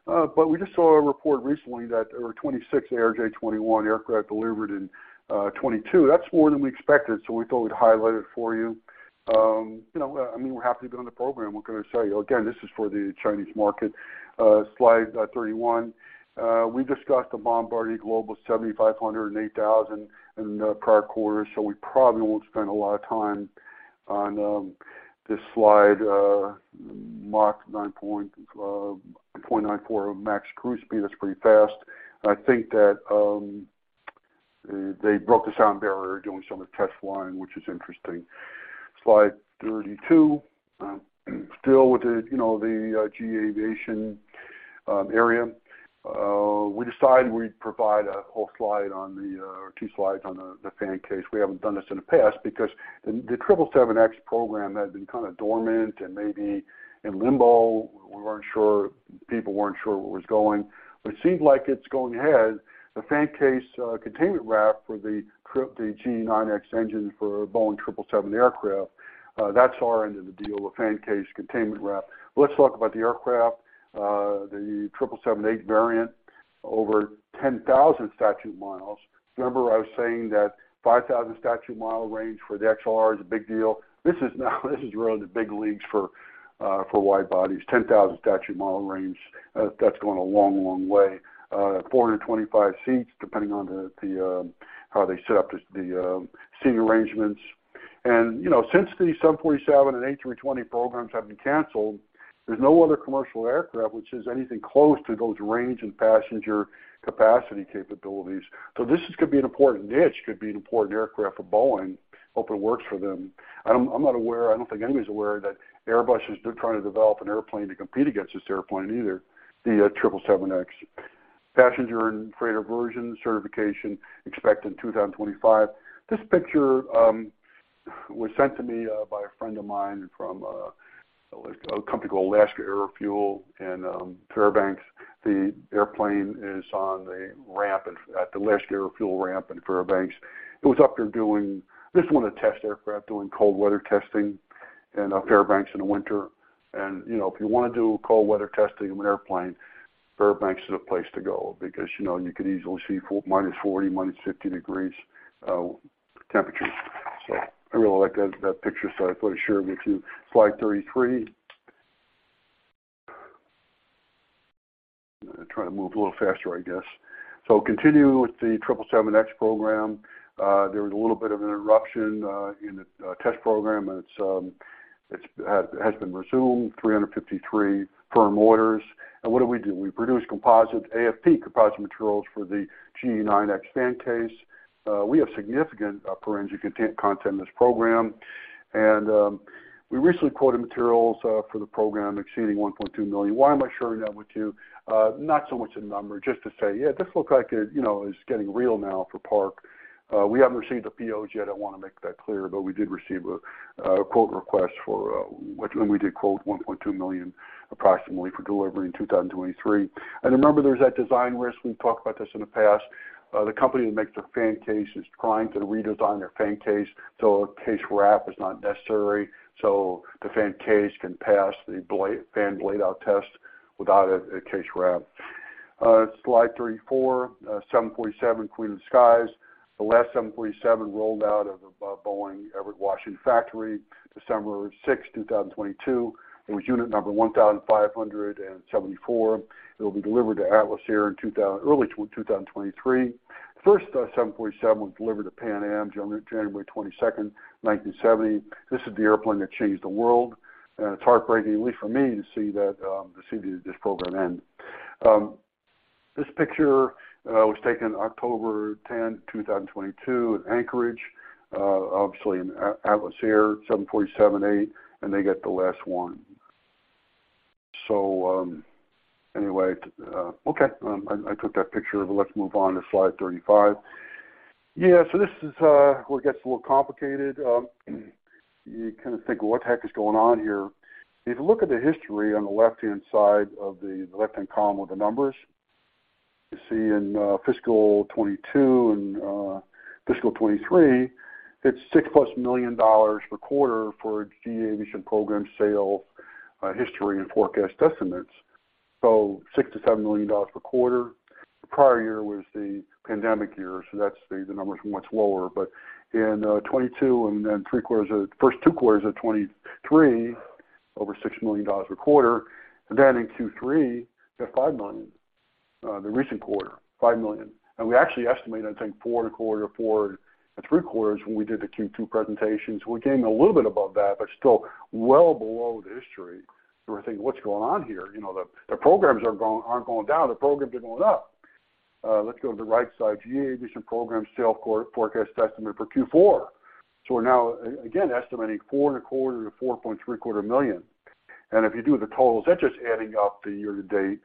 But we just saw a report recently that there were 26 ARJ21 aircraft delivered in 2022. That's more than we expected, so we thought we'd highlight it for you. You know, I mean, we're happy to be on the program. What can I say? This is for the Chinese market. Slide 31. We discussed the Bombardier Global 7,500 and 8,000 in the prior quarter, we probably won't spend a lot of time on this slide. Mach 0.94 max cruise speed, that's pretty fast. I think that they broke the sound barrier doing some of the test flying, which is interesting. Slide 32. Still with the, you know, the GE Aerospace area. We decided we'd provide a whole slide on the or 2 slides on the fan case. We haven't done this in the past because the 777X program had been kind of dormant and maybe in limbo. We weren't sure, people weren't sure where it was going. It seems like it's going ahead. The fan case containment wrap for the GE9X engine for Boeing 777 aircraft, that's our end of the deal, the fan case containment wrap. Let's talk about the aircraft, the 777-8 variant, over 10,000 statute miles. Remember I was saying that 5,000 statute mile range for the XLR is a big deal. This is now, this is really the big leagues for wide bodies, 10,000 statute mile range. That's going a long, long way. 425 seats, depending on the how they set up the seating arrangements. You know, since the 747 and A320 programs have been canceled, there's no other commercial aircraft which is anything close to those range and passenger capacity capabilities. This is gonna be an important niche, could be an important aircraft for Boeing. Hope it works for them. I'm not aware, I don't think anybody's aware that Airbus is trying to develop an airplane to compete against this airplane either, the 777X. Passenger and freighter version certification expected in 2025. This picture was sent to me by a friend of mine from a company called Alaska Aero Fuel in Fairbanks. The airplane is on the ramp at the Alaska Aero Fuel ramp in Fairbanks. This is one of the test aircraft doing cold weather testing in Fairbanks in the winter. You know, if you want to do cold weather testing of an airplane, Fairbanks is the place to go because, you know, you could easily see -40, -50 degrees temperatures. I really like that picture, so I thought I'd share it with you. Slide 33. I'm going to try to move a little faster, I guess. Continuing with the 777X program, there was a little bit of an interruption in the test program, and it's been resumed, 353 firm orders. What do we do? We produce composite, AFP composite materials for the GE9X fan case. We have significant forensic content in this program. We recently quoted materials for the program exceeding $1.2 million. Why am I sharing that with you? Not so much the number, just to say, "Yeah, this looks like it, you know, is getting real now for Park." We haven't received the POs yet, I wanna make that clear, but we did receive a quote request for, which we did quote $1.2 million approximately for delivery in 2023. Remember there's that design risk. We've talked about this in the past. The company that makes the fan case is trying to redesign their fan case, so a case wrap is not necessary, so the fan case can pass the fan blade out test without a case wrap. Slide 34, 747, Queen of the Skies. The last 747 rolled out of a Boeing Everett, Washington factory, December 6, 2022. It was unit number 1,574. It'll be delivered to Atlas Air in early 2023. First, 747 was delivered to Pan Am, January 22nd, 1970. This is the airplane that changed the world. It's heartbreaking, at least for me, to see that, to see this program end. This picture was taken October 10, 2022 in Anchorage. Obviously an Atlas Air 747-8, and they get the last one. Anyway, okay. I took that picture. Let's move on to slide 35. This is where it gets a little complicated. You kind of think, "What the heck is going on here?" If you look at the history on the left-hand side of the... left-hand column with the numbers, you see in fiscal 2022 and fiscal 2023, it's $6+ million per quarter for GE Aviation program sale history, and forecast estimates. $6 million-$7 million per quarter. The prior year was the pandemic year, so the numbers were much lower. In 2022 and then first two quarters of 2023, over $6 million per quarter. Then in Q3, at $5 million, the recent quarter, $5 million. We actually estimated, I think, four and a quarter, four and three quarters when we did the Q2 presentation. We came a little bit above that, but still well below the history. We're thinking, "What's going on here?" You know, the programs aren't going down, the programs are going up. Let's go to the right side. GE Aviation Program forecast estimate for Q4. We're now again estimating $4.25 million to $4.75 million. If you do the totals, that's just adding up the year to date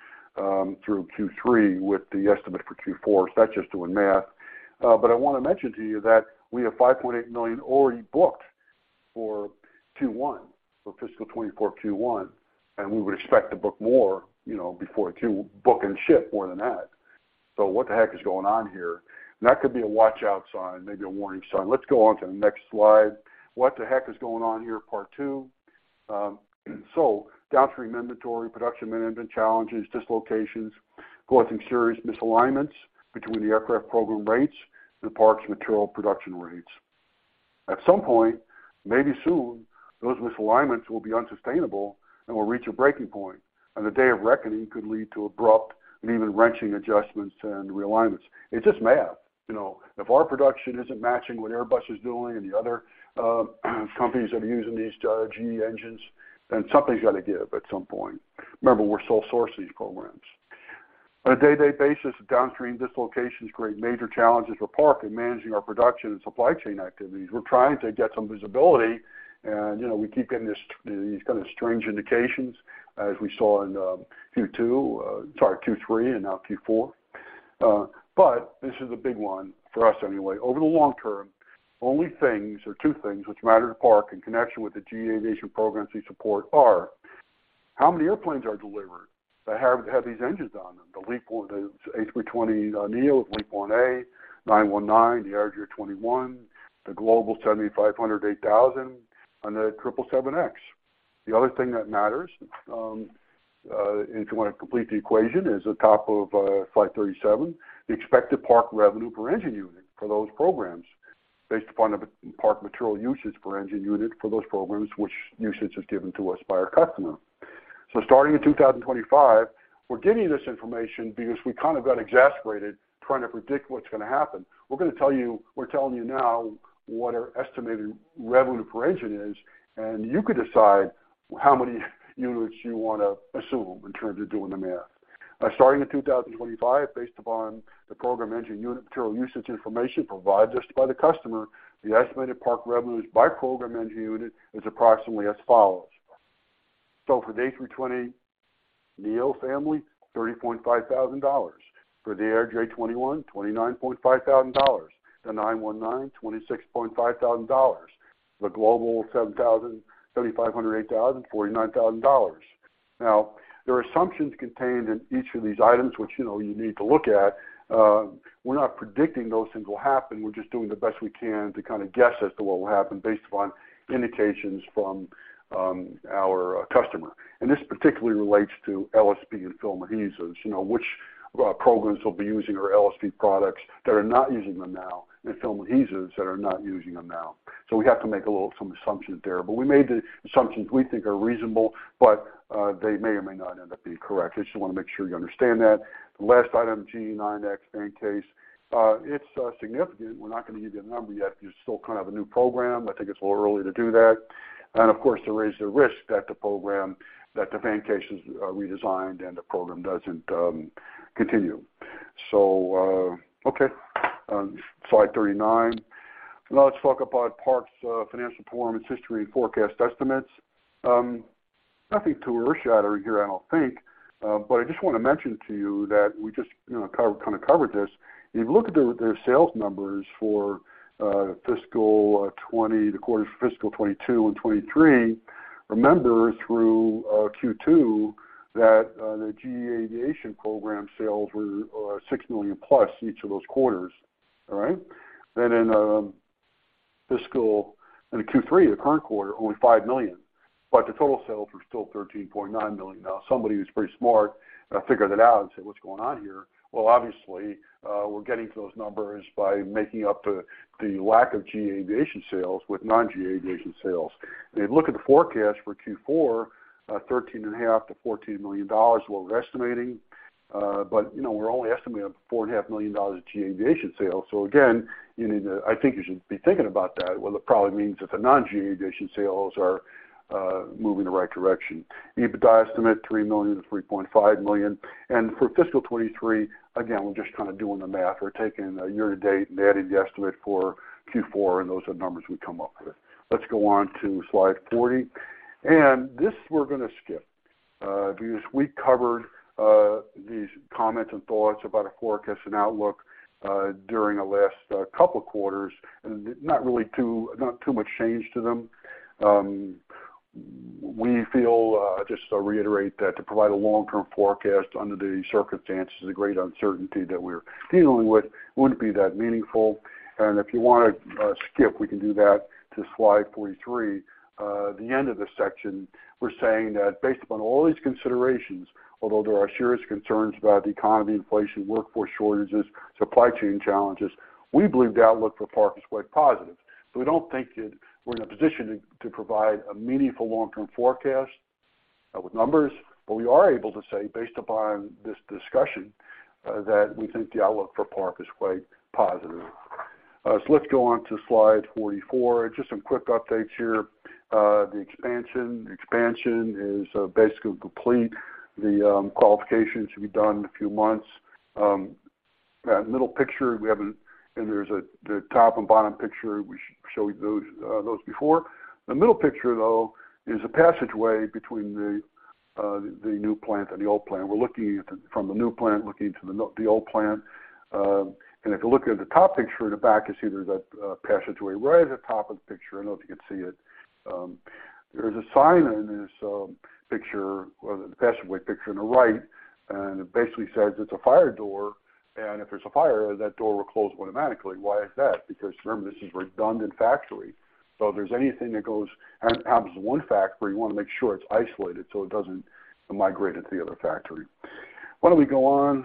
through Q3 with the estimate for Q4. That's just doing math. I wanna mention to you that we have $5.8 million already booked for Q1, for fiscal 2024 Q1, and we would expect to book more, you know, before book and ship more than that. What the heck is going on here? That could be a watch out sign, maybe a warning sign. Let's go on to the next slide. What the heck is going on here? Part two. Downstream inventory, production management challenges, dislocations causing serious misalignments between the aircraft program rates and the Park's material production rates. At some point, maybe soon, those misalignments will be unsustainable and will reach a breaking point. The day of reckoning could lead to abrupt and even wrenching adjustments and realignments. It's just math. You know, if our production isn't matching what Airbus is doing and the other companies that are using these GE engines, something's got to give at some point. Remember, we're sole source these programs. On a day-to-day basis, downstream dislocations create major challenges for Park in managing our production and supply chain activities. We're trying to get some visibility, you know, we keep getting this, these kind of strange indications as we saw in Q2, sorry, Q3 and now Q4. This is a big one for us anyway. Over the long term, only things, or 2 things which matter to Park in connection with the GE Aerospace programs we support are how many airplanes are delivered that have these engines on them. The LEAP, the A320neo with LEAP-1A, C919, the ARJ21, the Global 7500, 8000, and the 777X. The other thing that matters, if you want to complete the equation, is the top of 537, the expected Park revenue per engine unit for those programs based upon the Park material usage per engine unit for those programs which usage is given to us by our customer. Starting in 2025, we're giving you this information because we kind of got exasperated trying to predict what's going to happen. We're gonna tell you now what our estimated revenue per engine is. You could decide how many units you want to assume in terms of doing the math. Starting in 2025, based upon the program engine unit material usage information provided to us by the customer, the estimated Park revenues by program engine unit is approximately as follows. For the A320neo family, $30.5 thousand. For the ARJ21, $29.5 thousand. The C919, $26.5 thousand. The Global 7500, 8000, $49 thousand. There are assumptions contained in each of these items which, you know, you need to look at. We're not predicting those things will happen. We're just doing the best we can to kind of guess as to what will happen based upon indications from, our customer. This particularly relates to LSP and film adhesives. You know, which programs will be using our LSP products that are not using them now, and film adhesives that are not using them now. We have to make some assumptions there. We made the assumptions we think are reasonable, but they may or may not end up being correct. I just want to make sure you understand that. The last item, GE9X fan case, it's significant. We're not going to give you a number yet. It's still kind of a new program. I think it's a little early to do that. Of course, there is the risk that the program, that the fan case is redesigned and the program doesn't continue. Okay. Slide 39. Now let's talk about Park's financial performance, history, and forecast estimates. Nothing too earth shattering here, I don't think. I just want to mention to you that we just, you know, kind of covered this. If you look at the sales numbers for fiscal 20, the quarters for fiscal 22 and 23, remember through Q2 that the GE Aerospace program sales were $6 million plus each of those quarters. All right? In the Q3, the current quarter, only $5 million, the total sales were still $13.9 million. Somebody who's pretty smart figured it out and said, "What's going on here?" Obviously, we're getting to those numbers by making up the lack of GE Aviation sales with non-GE Aviation sales. If you look at the forecast for Q4, thirteen and a half million dollars to $14 million, what we're estimating. You know, we're only estimating a four and a half million dollars GE Aviation sales. Again, I think you should be thinking about that. It probably means that the non-GE Aviation sales are moving the right direction. EBITDA estimate, $3 million-$3.5 million. For fiscal 23, again, we're just kind of doing the math. We're taking year-to-date and adding the estimate for Q4, and those are the numbers we come up with. Let's go on to slide 40. This we're gonna skip because we covered these comments and thoughts about our forecast and outlook during the last couple quarters, and not too much change to them. We feel just to reiterate that to provide a long-term forecast under the circumstances of great uncertainty that we're dealing with wouldn't be that meaningful. If you wanna skip, we can do that to slide 43. The end of this section, we're saying that based upon all these considerations, although there are serious concerns about the economy, inflation, workforce shortages, supply chain challenges, we believe the outlook for Park is quite positive. We don't think that we're in a position to provide a meaningful long-term forecast with numbers. We are able to say, based upon this discussion, that we think the outlook for Park is quite positive. Let's go on to slide 44. Just some quick updates here. The expansion. The expansion is basically complete. The qualification should be done in a few months. That middle picture, we have and there's a, the top and bottom picture, we showed those before. The middle picture, though, is a passageway between the new plant and the old plant. We're looking at it from the new plant, looking to the old plant. If you look at the top picture in the back, you see there's that passageway right at the top of the picture. I don't know if you can see it. There's a sign in this picture, or the passageway picture on the right, it basically says it's a fire door, if there's a fire, that door will close automatically. Why is that? Remember, this is redundant factory. If there's anything that goes and happens to one factory, you wanna make sure it's isolated, so it doesn't migrate into the other factory. Why don't we go on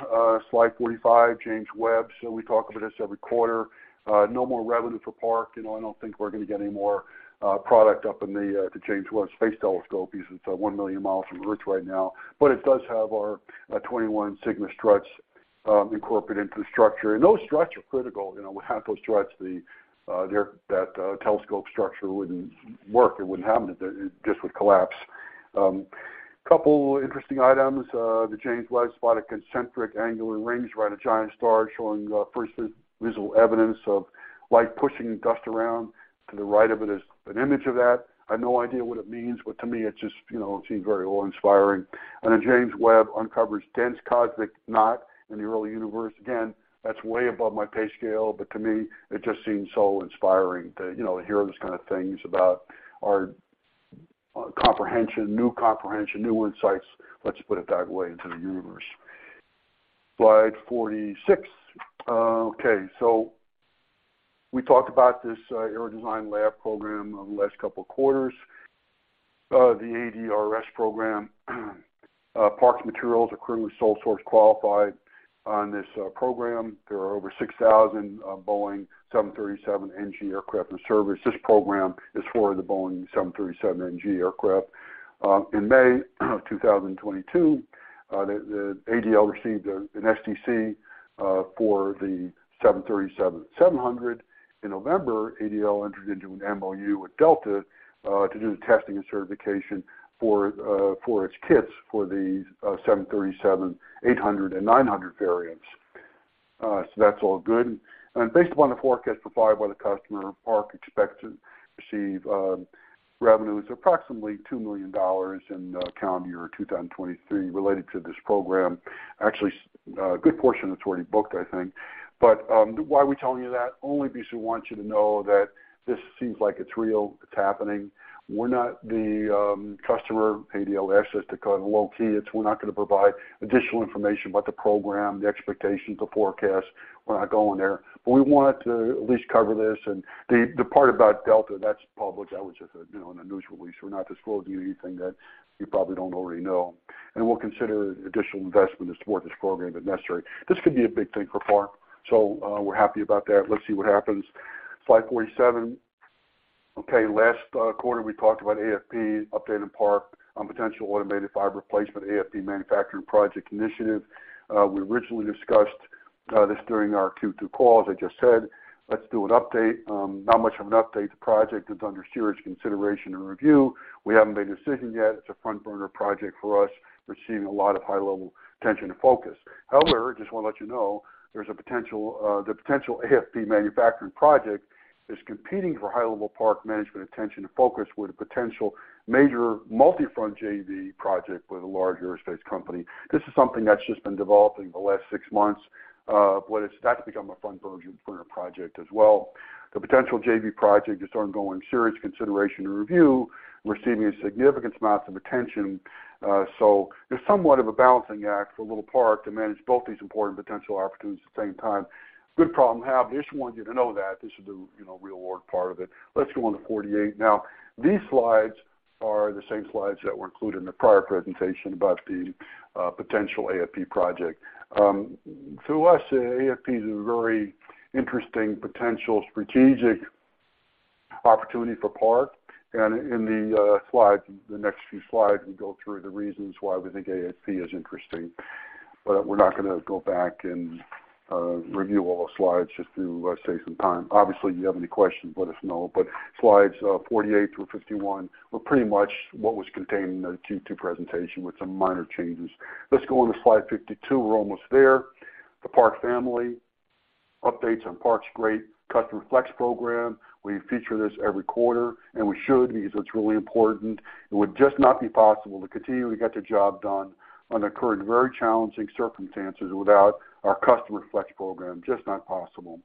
slide 45, James Webb. We talk about this every quarter. No more revenue for Park. You know, I don't think we're gonna get any more product up in the James Webb Space Telescope. It's 1 million miles from Earth right now. It does have our 21 Sigma Struts incorporated into the structure. Those struts are critical. You know, without those struts, that telescope structure wouldn't work. It wouldn't happen. It just would collapse. Couple interesting items. The James Webb spotted concentric angular rings around a giant star, showing first visual evidence of light pushing dust around. To the right of it is an image of that. I have no idea what it means, to me, it just, you know, it seems very awe-inspiring. James Webb uncovers dense cosmic knot in the early universe. Again, that's way above my pay scale, to me, it just seems so inspiring to, you know, hear these kind of things about our comprehension, new comprehension, new insights, let's put it that way, into the universe. Slide 46. Okay. We talked about this Aero Design Lab program over the last couple of quarters, the ADRS program. Park's materials are currently sole source qualified on this program. There are over 6,000 Boeing 737NG aircraft in service. This program is for the Boeing 737NG aircraft. In May of 2022, the ADL received an SDC for the 737-700. In November, ADL entered into an MOU with Delta to do the testing and certification for its kits for the 737-800 and -900 variants. That's all good. Based upon the forecast provided by the customer, Park expects to receive revenues of approximately $2 million in calendar year 2023 related to this program. Actually, a good portion is already booked, I think. Why are we telling you that? Only because we want you to know that this seems like it's real, it's happening. We're not the customer. ADL asks us to keep it low-key. We're not gonna provide additional information about the program, the expectations, the forecast. We're not going there. We wanted to at least cover this. The part about Delta, that's public. That was just a, you know, in the news release. We're not disclosing anything that you probably don't already know. We'll consider additional investment to support this program if necessary. This could be a big thing for Park, we're happy about that. Let's see what happens. Slide 47. Okay, last quarter, we talked about AFP, update on Park on potential automated fiber placement, AFP manufacturing project initiative. We originally discussed this during our Q2 call, as I just said. Let's do an update. Not much of an update. The project is under serious consideration and review. We haven't made a decision yet. It's a front burner project for us. We're seeing a lot of high-level attention and focus. However, just wanna let you know, there's a potential, the potential AFP manufacturing project is competing for high-level Park management attention and focus with a potential major multi-front JV project with a large aerospace company. This is something that's just been developing the last 6 months, but that's become a front burner project as well. The potential JV project is undergoing serious consideration and review, receiving a significant amount of attention. It's somewhat of a balancing act for little Park to manage both these important potential opportunities at the same time. Good problem to have. I just wanted you to know that. This is the, you know, reward part of it. Let's go on to 48. These slides are the same slides that were included in the prior presentation about the potential AFP project. To us, AFP is a very interesting potential strategic opportunity for Park. In the slides, the next few slides, we go through the reasons why we think AFP is interesting. We're not gonna go back and review all the slides just to save some time. Obviously, if you have any questions, let us know. Slides 48 through 51 were pretty much what was contained in the Q2 presentation with some minor changes. Let's go on to slide 52. We're almost there. The Park family. Updates on Park's great customer flex program. We feature this every quarter, and we should because it's really important. It would just not be possible to continue to get the job done under current very challenging circumstances without our customer flex program. Just not possible.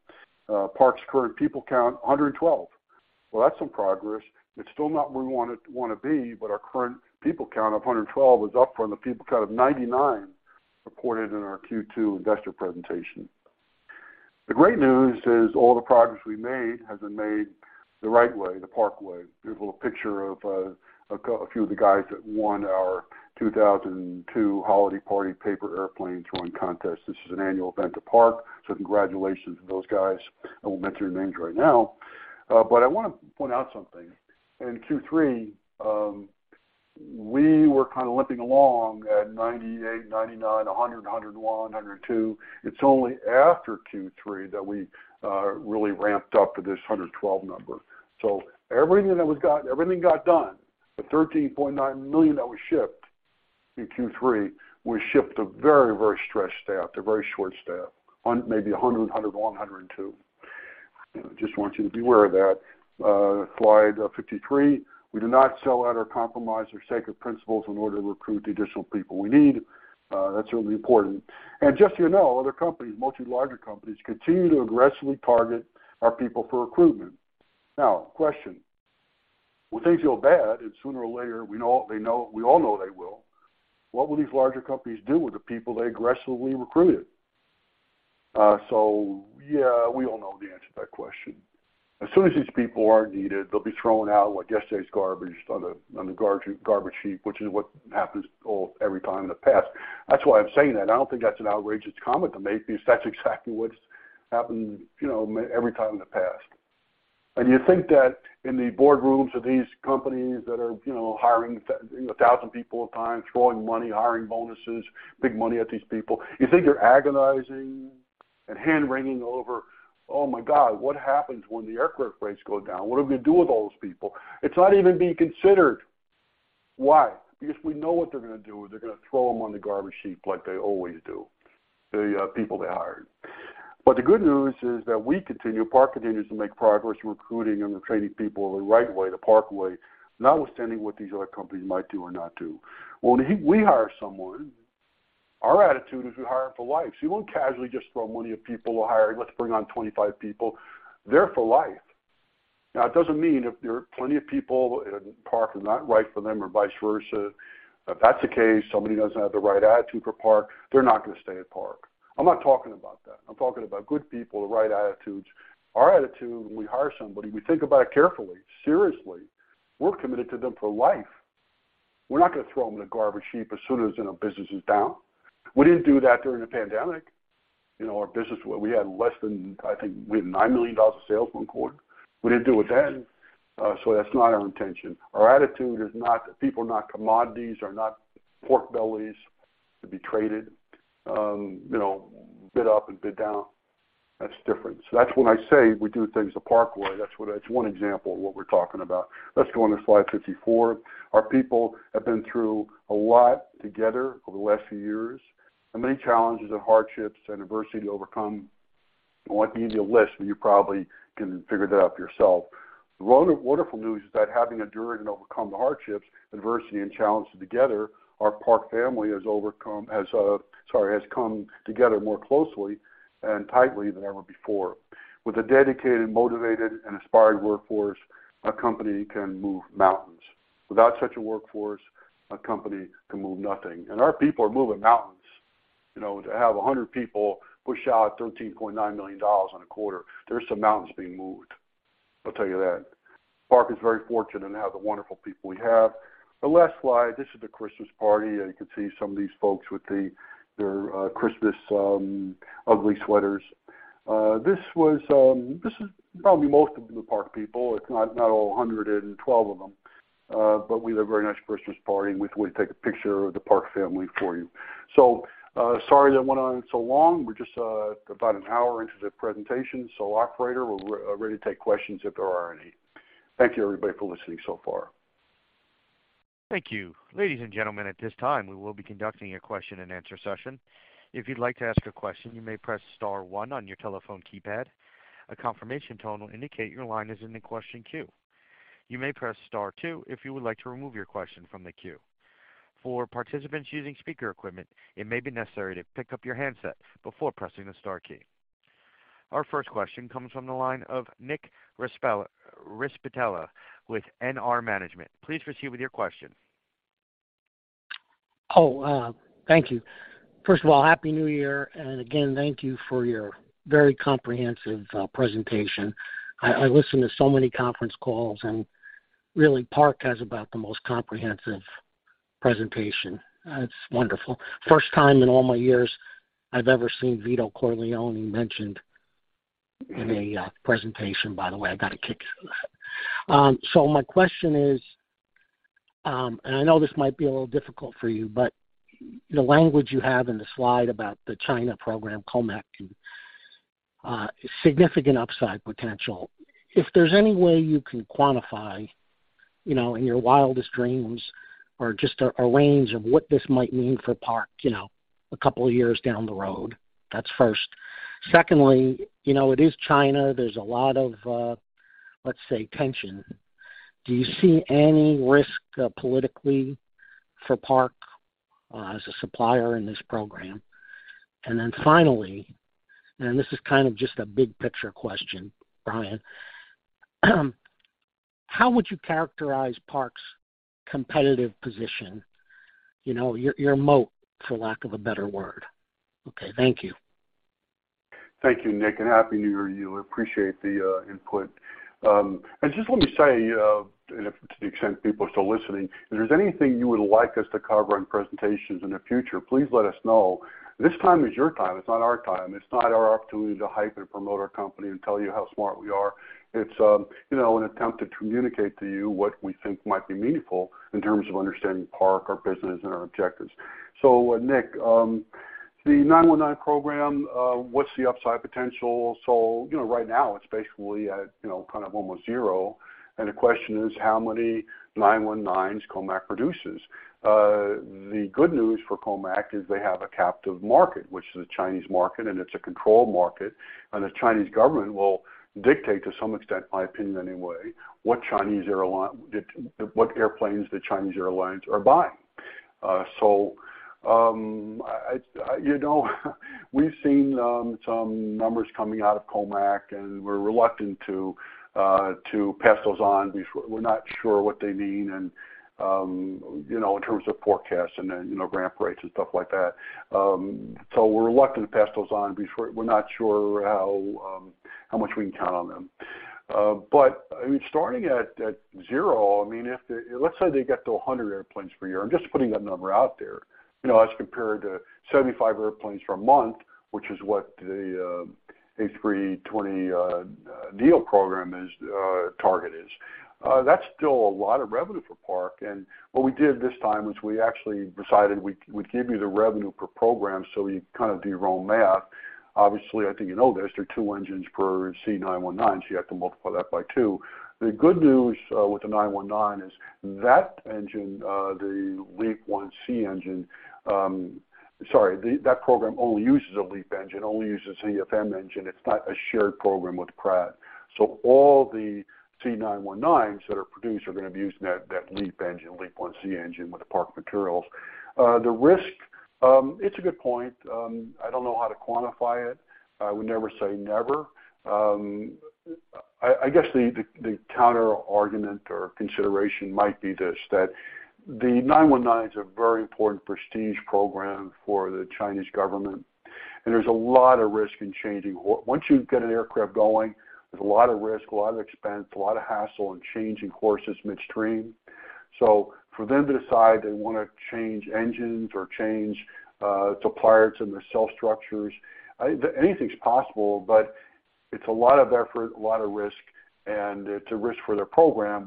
Park's current people count, 112. Well, that's some progress. It's still not where we wanna be, but our current people count of 112 is up from the people count of 99 reported in our Q2 investor presentation. The great news is all the progress we made has been made the right way, the Park way. Beautiful picture of a few of the guys that won our 2002 holiday party paper airplane throwing contest. This is an annual event at Park. Congratulations to those guys. I won't mention their names right now. I wanna point out something. In Q3, we were kind of limping along at 98, 99, 100, 101, 102. It's only after Q3 that we really ramped up to this 112 number. Everything that was got, everything got done, the $13.9 million that we shipped in Q3, we shipped a very, very stretched staff to a very short staff, on maybe 100, 101, 102. You know, just want you to be aware of that. Slide 53. We do not sell out or compromise our sacred principles in order to recruit the additional people we need. That's really important. Just so you know, other companies, much larger companies, continue to aggressively target our people for recruitment. Question. When things feel bad, and sooner or later, we know they know, we all know they will, what will these larger companies do with the people they aggressively recruited? So yeah, we all know the answer to that question. As soon as these people are needed, they'll be thrown out like yesterday's garbage on the, on the garbage heap, which is what happens every time in the past. That's why I'm saying that. I don't think that's an outrageous comment to make because that's exactly what's happened, you know, every time in the past. You think that in the boardrooms of these companies that are, you know, hiring you know, 1,000 people at a time, throwing money, hiring bonuses, big money at these people, you think they're agonizing and hand-wringing over, oh my God, what happens when the aircraft rates go down? What are we gonna do with all those people? It's not even being considered. Why? Because we know what they're gonna do. They're gonna throw them on the garbage heap like they always do, the people they hired. The good news is that we continue, Park continues to make progress recruiting and retraining people the right way, the Park way, notwithstanding what these other companies might do or not do. When we hire someone, our attitude is we hire for life. We won't casually just throw money at people or hire, let's bring on 25 people. They're for life. It doesn't mean if there are plenty of people and Park is not right for them or vice versa. If that's the case, somebody doesn't have the right attitude for Park, they're not gonna stay at Park. I'm not talking about that. I'm talking about good people, the right attitudes. Our attitude when we hire somebody, we think about it carefully. Seriously. We're committed to them for life. We're not gonna throw them in a garbage heap as soon as, you know, business is down. We didn't do that during the pandemic. You know, our business, we had less than, I think, we had $9 million of sales one quarter. We didn't do it then. That's not our intention. Our attitude is not. People are not commodities, they're not pork bellies to be traded, you know, bid up and bid down. That's different. That's when I say we do things the Park way. That's one example of what we're talking about. Let's go on to slide 54. Our people have been through a lot together over the last few years, many challenges and hardships and adversity to overcome. I won't give you a list, you probably can figure that out yourself. The wonderful news is that having endured and overcome the hardships, adversity, and challenges together, our Park family has, sorry, has come together more closely and tightly than ever before. With a dedicated, motivated, and inspired workforce, a company can move mountains. Without such a workforce, a company can move nothing. Our people are moving mountains. You know, to have 100 people push out $13.9 million on a quarter, there's some mountains being moved. I'll tell you that. Park is very fortunate to have the wonderful people we have. The last slide, this is the Christmas party. You can see some of these folks with their Christmas ugly sweaters. This was, this is probably most of the Park people. It's not all 112 of them. We had a very nice Christmas party, and we thought we'd take a picture of the Park family for you. Sorry I went on so long. We're just about an hour into the presentation, Operator, we're ready to take questions if there are any. Thank you, everybody, for listening so far. Thank you. Ladies and gentlemen, at this time, we will be conducting a question-and-answer session. If you'd like to ask a question, you may press star one on your telephone keypad. A confirmation tone will indicate your line is in the question queue. You may press star two if you would like to remove your question from the queue. For participants using speaker equipment, it may be necessary to pick up your handset before pressing the star key. Our first question comes from the line of Nick Respeto with NR Management. Please proceed with your question. Thank you. First of all, Happy New Year, again, thank you for your very comprehensive presentation. I listen to so many conference calls, really, Park has about the most comprehensive presentation. It's wonderful. First time in all my years I've ever seen Vito Corleone mentioned in a presentation, by the way. I got a kick out of that. My question is, I know this might be a little difficult for you, the language you have in the slide about the China program, COMAC, significant upside potential. If there's any way you can quantify, you know, in your wildest dreams or just a range of what this might mean for Park, you know, a couple of years down the road. That's first. Secondly, you know, it is China. There's a lot of, let's say, tension. Do you see any risk, politically for Park as a supplier in this program? Finally, this is kind of just a big picture question, Brian, how would you characterize Park's competitive position? You know, your moat, for lack of a better word. Okay, thank you. Thank you, Nick, Happy New Year to you. Appreciate the input. Just let me say, and if to the extent people are still listening, if there's anything you would like us to cover in presentations in the future, please let us know. This time is your time. It's not our time. It's not our opportunity to hype and promote our company and tell you how smart we are. It's, you know, an attempt to communicate to you what we think might be meaningful in terms of understanding Park, our business, and our objectives. Nick, the 919 program, what's the upside potential? You know, right now it's basically at, you know, kind of almost 0. The question is how many 919s COMAC produces. The good news for COMAC is they have a captive market, which is a Chinese market, and it's a controlled market. The Chinese government will dictate to some extent, my opinion anyway, what Chinese airline what airplanes the Chinese airlines are buying. I, you know, we've seen some numbers coming out of COMAC, and we're reluctant to pass those on. We're not sure what they mean and, you know, in terms of forecasts and then, you know, ramp rates and stuff like that. We're reluctant to pass those on. We're not sure how much we can count on them. I mean, starting at zero, I mean, Let's say they get to 100 airplanes per year, I'm just putting that number out there, you know, as compared to 75 airplanes per month, which is what the A320neo program is target is. That's still a lot of revenue for Park. What we did this time was we actually decided we'd give you the revenue per program so you kind of do your own math. Obviously, I think you know this, there are two engines per C919, so you have to multiply that by two. The good news with the C919 is that engine, the LEAP-1C engine, that program only uses a LEAP engine, only uses CFM engine. It's not a shared program with Pratt. All the C919s that are produced are gonna be using that LEAP engine, LEAP-1C engine with the Park materials. The risk, it's a good point. I don't know how to quantify it. I would never say never. I guess the counterargument or consideration might be this, that the C919's a very important prestige program for the Chinese government, and there's a lot of risk in changing. Once you get an aircraft going, there's a lot of risk, a lot of expense, a lot of hassle in changing courses midstream. For them to decide they wanna change engines or change suppliers in the nacelle structures, anything's possible, but it's a lot of effort, a lot of risk, and it's a risk for their program,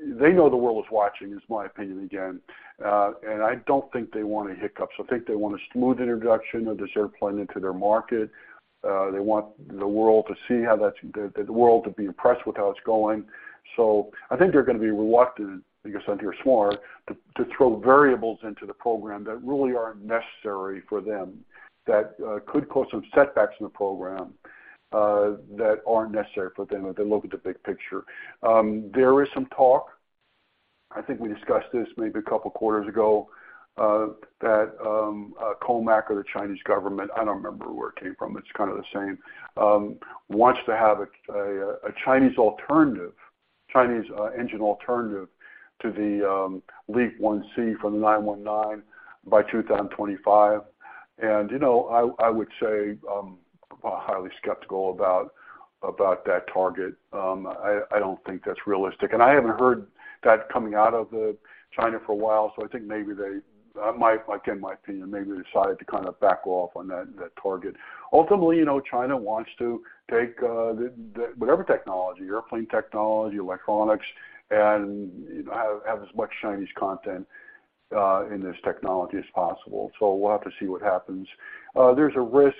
which they know the world is watching, is my opinion again. I don't think they want any hiccups. I think they want a smooth introduction of this airplane into their market. They want the world to see how the world to be impressed with how it's going. I think they're gonna be reluctant, I guess, if you're smart, to throw variables into the program that really aren't necessary for them, that could cause some setbacks in the program, that aren't necessary for them if they look at the big picture. There is some talk, I think we discussed this maybe a couple of quarters ago, that COMAC or the Chinese government, I don't remember where it came from, it's kind of the same, wants to have a Chinese alternative, Chinese engine alternative to the LEAP-1C from the C919 by 2025. You know, I would say highly skeptical about that target. I don't think that's realistic. I haven't heard that coming out of China for a while, so I think maybe they might, again, in my opinion, maybe decided to kind of back off on that target. Ultimately, you know, China wants to take the whatever technology, airplane technology, electronics, and have as much Chinese content in this technology as possible. We'll have to see what happens. There's a risk,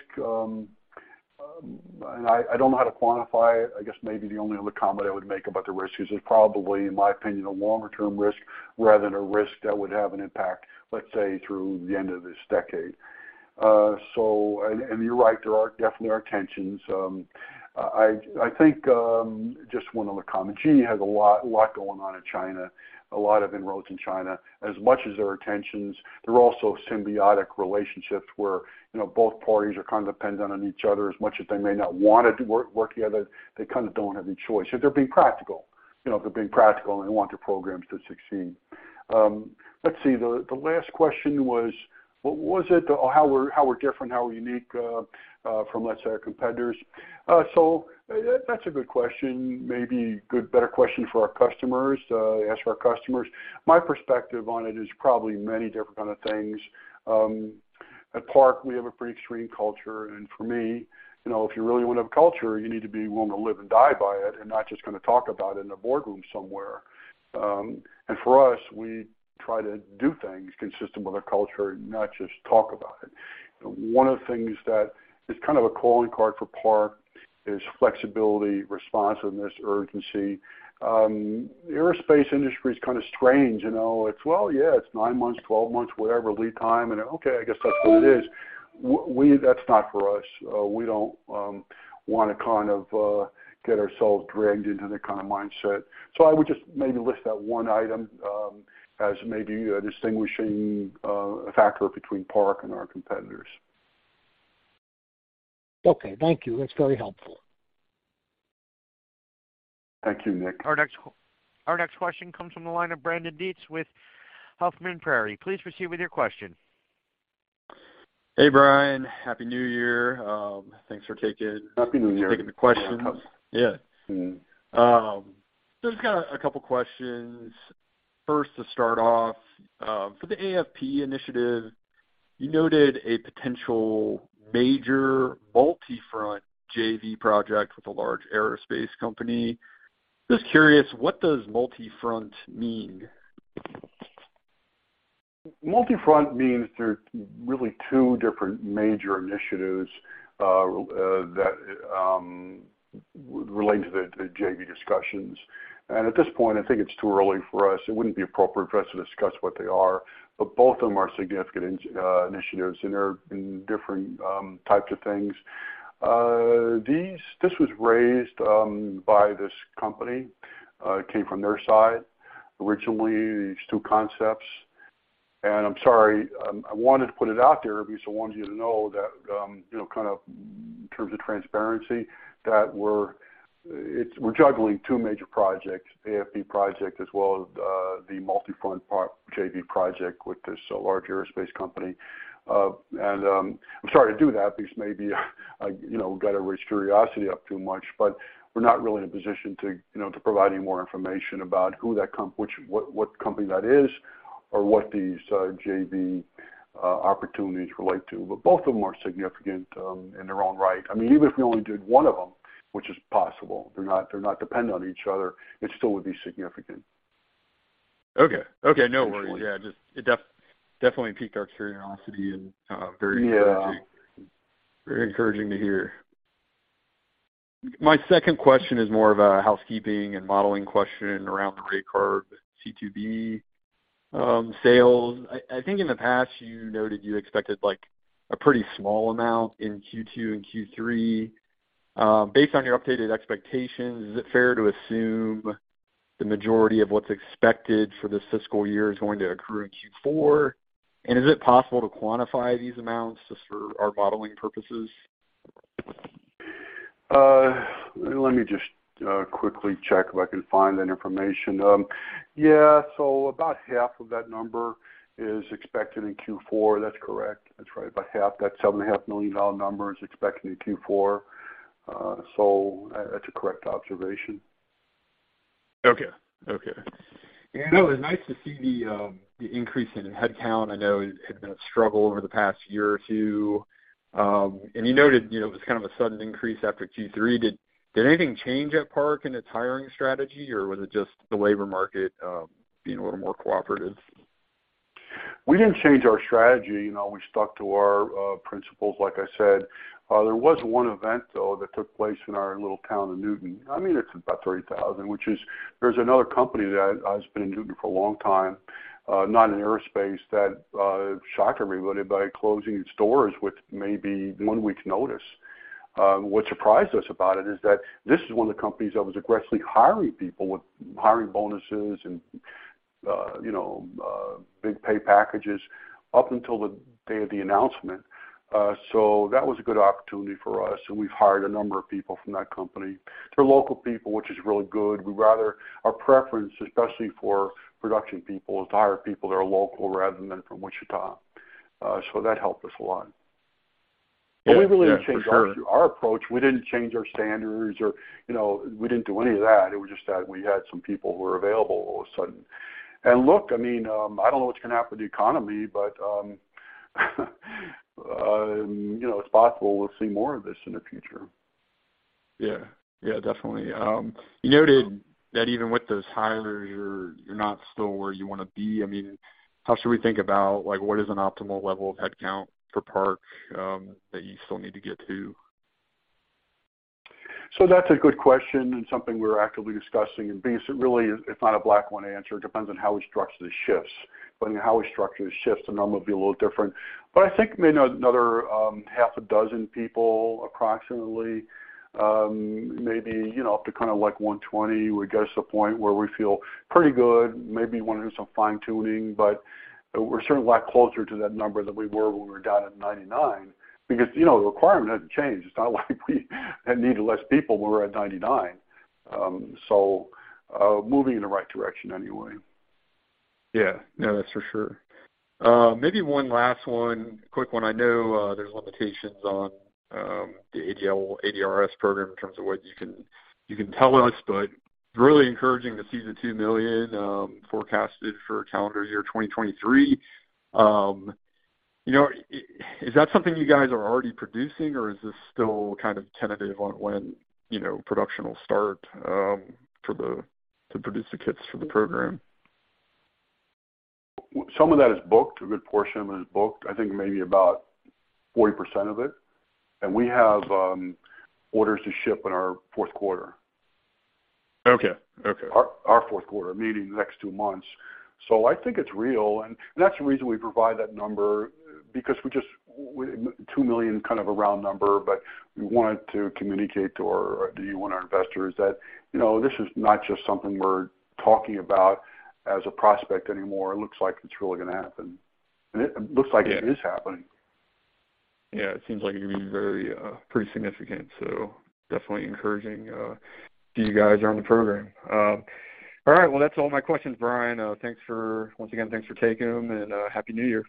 and I don't know how to quantify. I guess maybe the only other comment I would make about the risk is it's probably, in my opinion, a longer term risk rather than a risk that would have an impact, let's say, through the end of this decade. You're right, there are definitely are tensions. I think, just one other comment, GE has a lot going on in China, a lot of inroads in China. As much as there are tensions, there are also symbiotic relationships where, you know, both parties are kind of dependent on each other. As much as they may not want to work together, they kind of don't have a choice. They're being practical. You know, they're being practical, and they want their programs to succeed. Let's see. The last question was, what was it? How we're different, how we're unique from, let's say, our competitors. That's a good question. Maybe good, better question for our customers, ask our customers. My perspective on it is probably many different kind of things. At Park, we have a pretty extreme culture. For me, you know, if you really want to have culture, you need to be willing to live and die by it and not just kind of talk about it in a boardroom somewhere. For us, we try to do things consistent with our culture, not just talk about it. One of the things that is kind of a calling card for Park is flexibility, responsiveness, urgency. Aerospace industry is kind of strange, you know. It's well, yeah, it's nine months, 12 months, whatever, lead time. Okay, I guess that's what it is. We, that's not for us. We don't wanna kind of get ourselves dragged into that kind of mindset. I would just maybe list that 1 item as maybe a distinguishing factor between Park and our competitors. Thank you. That's very helpful. Thank you, Nick. Our next question comes from the line of Brandon Dietz with Huffman Prairie. Please proceed with your question. Hey, Brian. Happy New Year. Thanks for taking- Happy New Year. taking the questions. Yeah. Yeah. Just got a couple questions. First, to start off, for the AFP initiative, you noted a potential major multi-front JV project with a large aerospace company. Just curious, what does multi-front mean? Multi-front means there are really two different major initiatives that relate to the JV discussions. At this point, I think it's too early for us. It wouldn't be appropriate for us to discuss what they are, but both of them are significant initiatives, and they're in different types of things. This was raised by this company, it came from their side. Originally, these two concepts, I'm sorry, I wanted to put it out there because I wanted you to know that, you know, kind of in terms of transparency, that we're juggling two major projects, AFP project, as well as the multi-front JV project with this large aerospace company. I'm sorry to do that because maybe I, you know, got to raise curiosity up too much, but we're not really in a position to, you know, to provide any more information about who that what company that is or what these, JV, opportunities relate to. Both of them are significant, in their own right. I mean, even if we only did one of them, which is possible, they're not dependent on each other, it still would be significant. Okay. Okay, no worries. Essentially. Yeah, just it definitely piqued our curiosity and. Yeah. Very encouraging to hear. My second question is more of a housekeeping and modeling question around the RayCarb C2B sales. I think in the past, you noted you expected, like, a pretty small amount in Q2 and Q3. Based on your updated expectations, is it fair to assume the majority of what's expected for this fiscal year is going to accrue in Q4? Is it possible to quantify these amounts just for our modeling purposes? Let me just quickly check if I can find that information. About half of that number is expected in Q4. That's correct. That's right. About half. That seven and a half million dollar number is expected in Q4. That's a correct observation. Okay. Okay. Yeah. It was nice to see the increase in headcount. I know it had been a struggle over the past year or 2. You noted, you know, it was kind of a sudden increase after Q3. Did anything change at Park in its hiring strategy, or was it just the labor market being a little more cooperative? We didn't change our strategy, you know. We stuck to our principles like I said. There was one event, though, that took place in our little town of Newton. It's about 30,000. There's another company that has been in Newton for a long time, not in aerospace, that shocked everybody by closing its doors with maybe one week's notice. What surprised us about it is that this is one of the companies that was aggressively hiring people with hiring bonuses and, you know, big pay packages up until the day of the announcement. That was a good opportunity for us, and we've hired a number of people from that company. They're local people, which is really good. Our preference, especially for production people, is to hire people that are local rather than from Wichita. That helped us a lot. Yeah. Yeah, for sure. We really didn't change our approach. We didn't change our standards or, you know, we didn't do any of that. It was just that we had some people who were available all of a sudden. Look, I mean, I don't know what's gonna happen to the economy, but, you know, it's possible we'll see more of this in the future. Yeah. Yeah, definitely. You noted that even with those hires, you're not still where you wanna be. I mean, how should we think about, like, what is an optimal level of headcount for Park, that you still need to get to? That's a good question and something we're actively discussing. Because it really is, it's not a black one answer. It depends on how we structure the shifts. Depending on how we structure the shifts, the number will be a little different. I think maybe another half a dozen people, approximately, maybe, you know, up to kinda like 120 would get us to a point where we feel pretty good, maybe wanna do some fine-tuning. We're certainly a lot closer to that number than we were when we were down at 99. You know, the requirement hadn't changed. It's not like we had needed less people when we were at 99. Moving in the right direction anyway. Yeah. Yeah, that's for sure. maybe one last one, quick one. I know, there's limitations on the ADRS program in terms of what you can tell us, but really encouraging to see the $2 million forecasted for calendar year 2023. you know, is that something you guys are already producing, or is this still kind of tentative on when, you know, production will start to produce the kits for the program? Some of that is booked. A good portion of it is booked, I think maybe about 40% of it. We have orders to ship in our fourth quarter. Okay. Okay. Our fourth quarter, meaning the next two months. I think it's real, and that's the reason we provide that number because we just. $2 million, kind of a round number, but we wanted to communicate to our to you and our investors that, you know, this is not just something we're talking about as a prospect anymore. It looks like it's really gonna happen. It looks like. Yeah. It is happening. Yeah, it seems like it'd be very pretty significant, so definitely encouraging to you guys on the program. All right, well, that's all my questions, Brian. Once again, thanks for taking them, and happy New Year.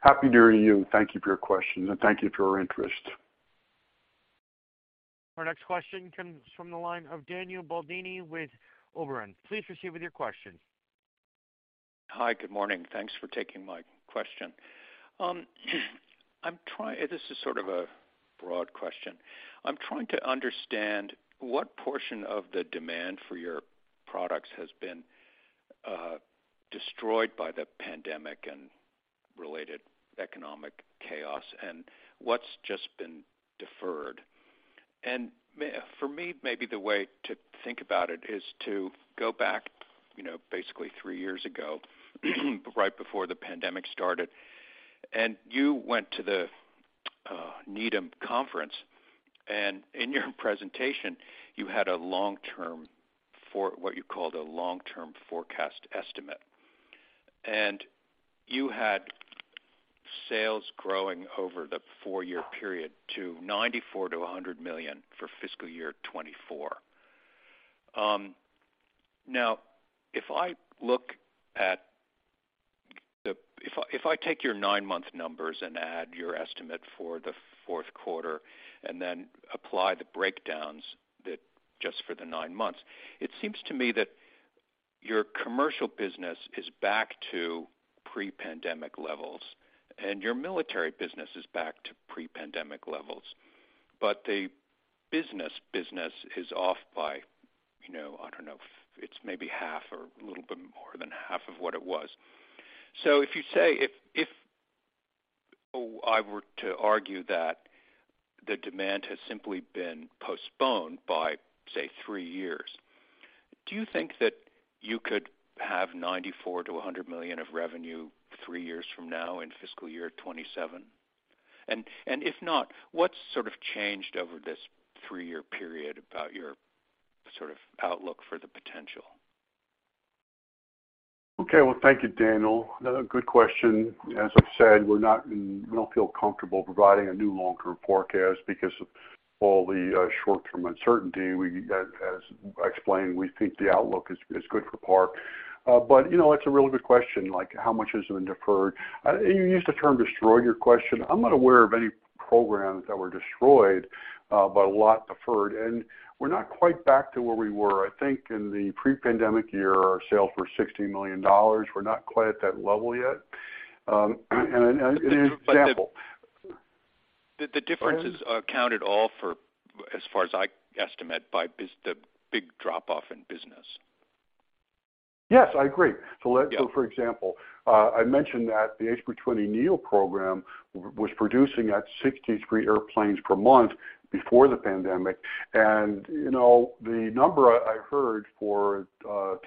Happy New Year to you. Thank you for your questions, and thank you for your interest. Our next question comes from the line of Daniel Baldini with Oberon. Please proceed with your question. Hi. Good morning. Thanks for taking my question. This is sort of a broad question. I'm trying to understand what portion of the demand for your products has been destroyed by the pandemic and related economic chaos, and what's just been deferred? For me, maybe the way to think about it is to go back, you know, basically three years ago, right before the pandemic started. You went to the Needham conference, and in your presentation, you had a long-term what you called a long-term forecast estimate. You had sales growing over the four-year period to $94 million-$100 million for fiscal year 2024. Now, if I take your nine-month numbers and add your estimate for the 4th quarter and then apply the breakdowns that just for the nine months, it seems to me that your commercial business is back to pre-pandemic levels, and your military business is back to pre-pandemic levels. The business is off by, you know, I don't know, it's maybe half or a little bit more than half of what it was. If you say if I were to argue that the demand has simply been postponed by, say, three years, do you think that you could have $94 million-$100 million of revenue three years from now in fiscal year 2027? If not, what sort of changed over this three-year period about your sort of outlook for the potential? Okay. Well, thank you, Daniel. Another good question. As I've said, we don't feel comfortable providing a new long-term forecast because of all the short-term uncertainty. We as explained, we think the outlook is good for Park. You know, that's a really good question, like how much has been deferred. You used the term destroyed in your question. I'm not aware of any programs that were destroyed, but a lot deferred. We're not quite back to where we were. I think in the pre-pandemic year, our sales were $60 million. We're not quite at that level yet. The differences are accounted all for, as far as I estimate, by the big drop off in business. Yes, I agree. Yeah. For example, I mentioned that the A320neo program was producing at 63 airplanes per month before the pandemic. You know, the number I heard for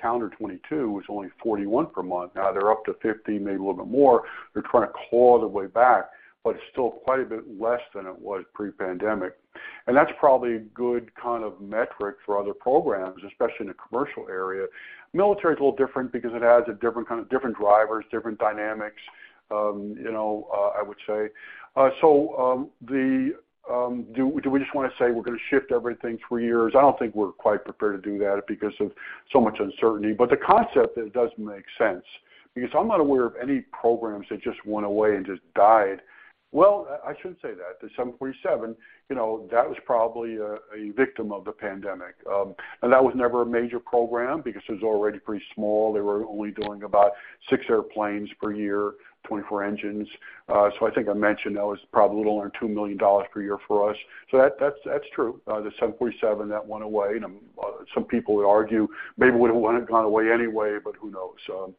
calendar 2022 was only 41 per month. Now they're up to 50, maybe a little bit more. They're trying to claw their way back, but it's still quite a bit less than it was pre-pandemic. That's probably a good kind of metric for other programs, especially in the commercial area. Military is a little different because it has a different kind of different drivers, different dynamics, you know, I would say. The, do we just wanna say we're gonna shift everything three years? I don't think we're quite prepared to do that because of so much uncertainty. The concept, it does make sense because I'm not aware of any programs that just went away and just died. I should say that. The 747, you know, that was probably a victim of the pandemic. That was never a major program because it was already pretty small. They were only doing about six airplanes per year, 24 engines. I think I mentioned that was probably a little under $2 million per year for us. That's true. The 747, that went away. Some people would argue maybe it would've gone away anyway, but who knows?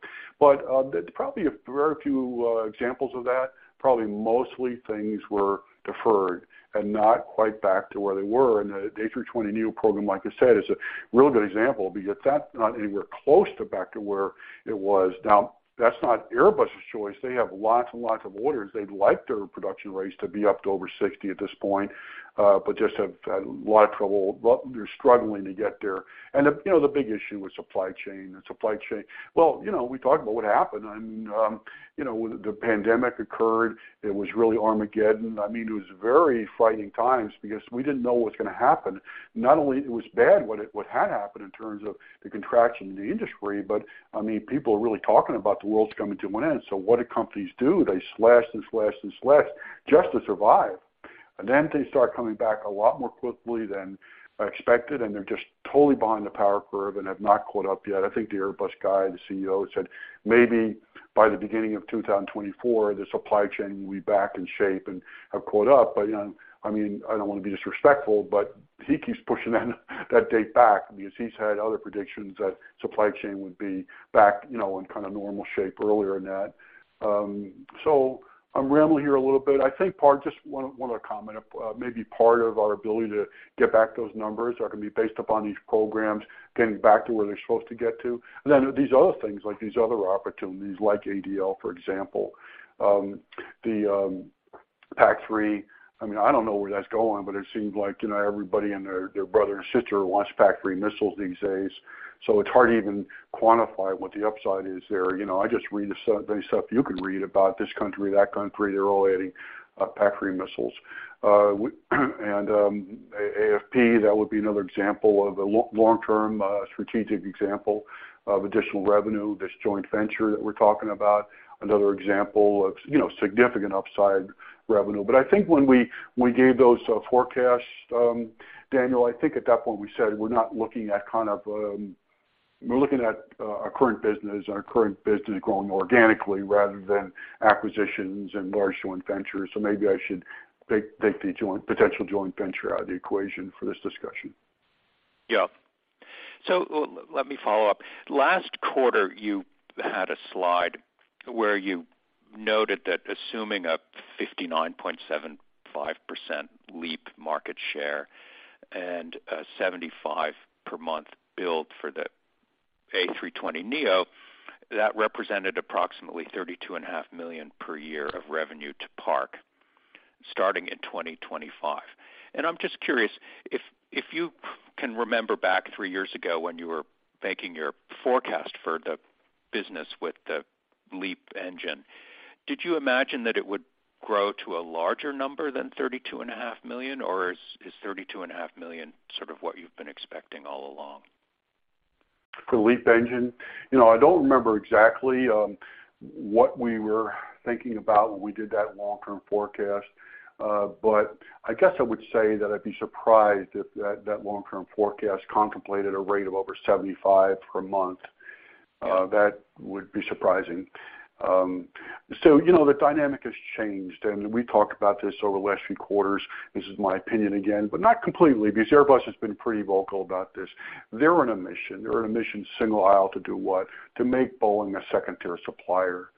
There's probably a very few examples of that. Probably mostly things were deferred and not quite back to where they were. The A320neo program, like I said, is a real good example because that's not anywhere close to back to where it was. Now, that's not Airbus's choice. They have lots and lots of orders. They'd like their production rates to be up to over 60 at this point, but just have had a lot of trouble. Well, they're struggling to get there. The, you know, the big issue with supply chain. Well, you know, we talked about what happened, and, you know, when the pandemic occurred, it was really Armageddon. I mean, it was very frightening times because we didn't know what's gonna happen. Not only it was bad, what had happened in terms of the contraction in the industry, but I mean, people are really talking about the world's coming to an end. What did companies do? They slashed and slashed and slashed just to survive. Then things started coming back a lot more quickly than expected, and they're just totally behind the power curve and have not caught up yet. I think the Airbus guy, the CEO, said maybe by the beginning of 2024, the supply chain will be back in shape and have caught up. You know, I mean, I don't wanna be disrespectful, but he keeps pushing that date back because he's had other predictions that supply chain would be back, you know, in kinda normal shape earlier than that. I'm rambling here a little bit. I think part, just one other comment. Maybe part of our ability to get back those numbers are gonna be based upon these programs getting back to where they're supposed to get to. These other things, like these other opportunities like ADL, for example. The PAC-3, I mean, I don't know where that's going, but it seems like, you know, everybody and their brother and sister wants PAC-3 missiles these days. It's hard to even quantify what the upside is there. You know, I just read the stuff you can read about this country, that country, they're all adding PAC-3 missiles. And AFP, that would be another example of a long-term strategic example of additional revenue. This joint venture that we're talking about, another example of, you know, significant upside revenue. I think when we gave those forecasts, Daniel, I think at that point, we said we're not looking at kind of... We're looking at our current business and our current business growing organically rather than acquisitions and large joint ventures. Maybe I should take the potential joint venture out of the equation for this discussion. Yeah. Let me follow up. Last quarter, you had a slide where you noted that assuming a 59.75% LEAP market share and a 75 per month build for the A320neo, that represented approximately $32.5 million per year of revenue to Park starting in 2025. I'm just curious, if you can remember back three years ago when you were making your forecast for the business with the LEAP engine, did you imagine that it would grow to a larger number than $32.5 million, or is $32.5 million sort of what you've been expecting all along? The LEAP engine. You know, I don't remember exactly what we were thinking about when we did that long-term forecast. I guess I would say that I'd be surprised if that long-term forecast contemplated a rate of over 75 per month. That would be surprising. You know, the dynamic has changed, and we talked about this over the last few quarters. This is my opinion again, not completely because Airbus has been pretty vocal about this. They're on a mission. They're on a mission single-aisle to do what? To make Boeing a second-tier supplier.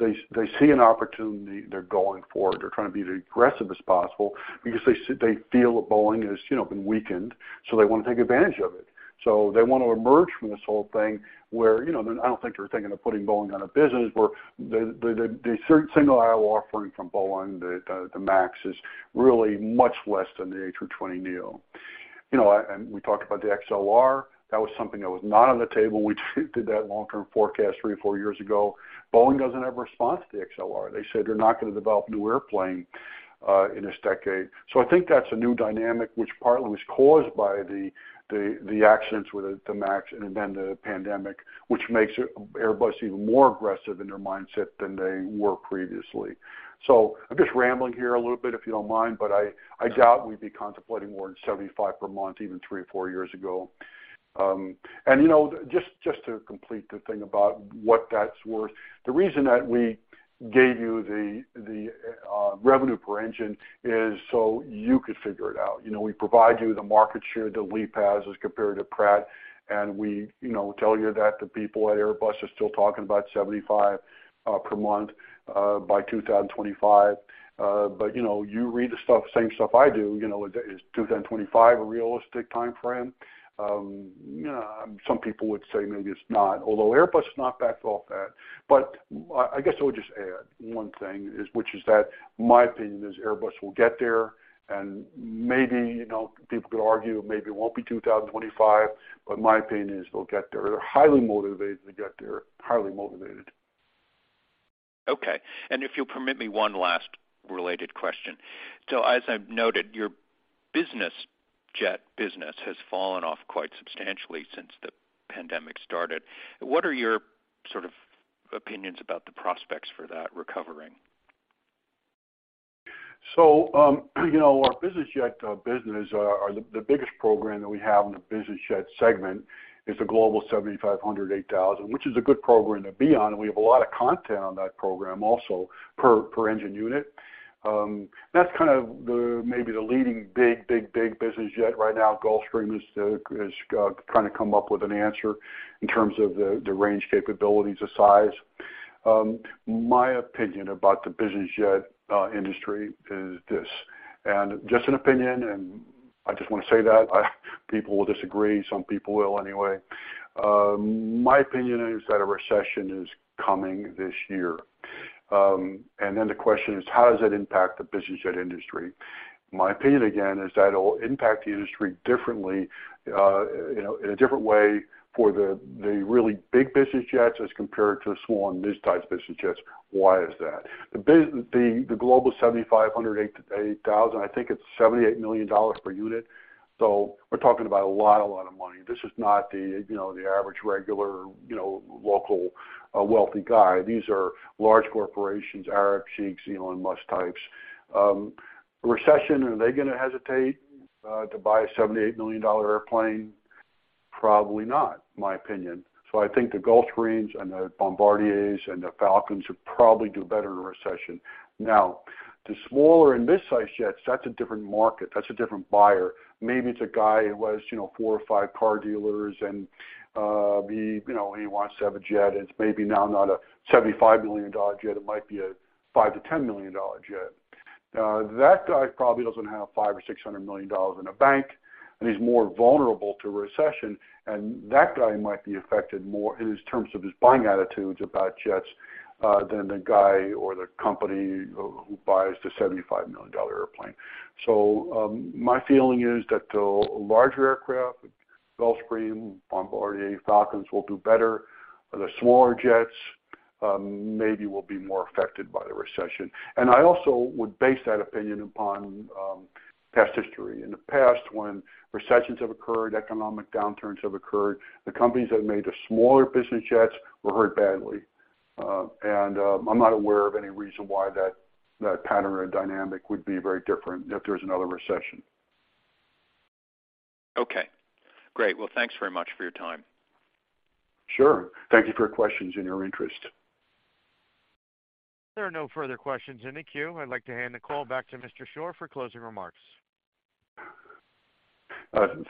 They, they see an opportunity, they're going for it. They're trying to be as aggressive as possible because they feel that Boeing has, you know, been weakened, so they wanna take advantage of it. They want to emerge from this whole thing where, you know, I don't think they're thinking of putting Boeing out of business, but the, the single-aisle offering from Boeing, the, the MAX is really much less than the A320neo. You know, we talked about the XLR. That was something that was not on the table when we did that long-term forecast three, four years ago. Boeing doesn't have a response to the XLR. They said they're not gonna develop a new airplane in this decade. I think that's a new dynamic which partly was caused by the, the accidents with the MAX and then the pandemic, which makes Airbus even more aggressive in their mindset than they were previously. I doubt we'd be contemplating more than 75 per month, even three or four years ago. You know, just to complete the thing about what that's worth. The reason that we gave you the revenue per engine is so you could figure it out. You know, we provide you the market share that LEAP has as compared to Pratt, and we, you know, tell you that the people at Airbus are still talking about 75 per month by 2025. You know, you read the stuff, same stuff I do, you know, is 2025 a realistic timeframe? Some people would say maybe it's not, although Airbus has not backed off that. I guess I would just add one thing is, which is that my opinion is Airbus will get there and maybe, you know, people could argue maybe it won't be 2025, but my opinion is they'll get there. They're highly motivated to get there. Highly motivated. Okay. If you'll permit me one last related question. As I've noted, your business jet business has fallen off quite substantially since the pandemic started. What are your sort of opinions about the prospects for that recovering? You know, our business jet business, or the biggest program that we have in the business jet segment is the Global 7500, 8000, which is a good program to be on, and we have a lot of content on that program also per engine unit. That's kind of the, maybe the leading big, big, big business jet right now. Gulfstream is trying to come up with an answer in terms of the range capabilities of size. My opinion about the business jet industry is this, and just an opinion, and I just wanna say that. People will disagree, some people will anyway. My opinion is that a recession is coming this year. The question is, how does that impact the business jet industry? My opinion, again, is that it'll impact the industry differently, you know, in a different way for the really big business jets as compared to small and midsize business jets. Why is that? The Global 7500, 8000, I think it's $78 million per unit. We're talking about a lot of money. This is not the, you know, the average, regular, you know, local, wealthy guy. These are large corporations, Arab sheikhs, Elon Musk types. Recession, are they gonna hesitate to buy a $78 million airplane? Probably not, in my opinion. I think the Gulfstreams and the Bombardiers and the Falcon would probably do better in a recession. The smaller and midsize jets, that's a different market. That's a different buyer. Maybe it's a guy who has, you know, four or five car dealers and, he, you know, he wants to have a jet, and it's maybe now not a $75 million jet. It might be a $5 million-$10 million jet. That guy probably doesn't have $500 million or $600 million in a bank, and he's more vulnerable to a recession. That guy might be affected more in his terms of his buying attitudes about jets than the guy or the company who buys the $75 million airplane. My feeling is that the larger aircraft, Gulfstream, Bombardier, Falcon, will do better. The smaller jets maybe will be more affected by the recession. I also would base that opinion upon past history. In the past, when recessions have occurred, economic downturns have occurred, the companies that made the smaller business jets were hurt badly. I'm not aware of any reason why that pattern or dynamic would be very different if there's another recession. Okay, great. Well, thanks very much for your time. Sure. Thank you for your questions and your interest. There are no further questions in the queue. I'd like to hand the call back to Mr. Shore for closing remarks.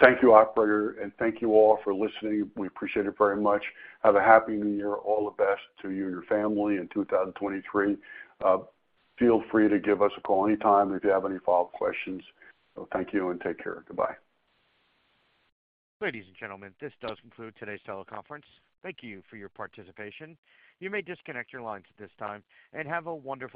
Thank you, operator. Thank you all for listening. We appreciate it very much. Have a happy new year. All the best to you and your family in 2023. Feel free to give us a call anytime if you have any follow-up questions. Thank you. Take care. Goodbye. Ladies and gentlemen, this does conclude today's teleconference. Thank you for your participation. You may disconnect your lines at this time, and have a wonderful day.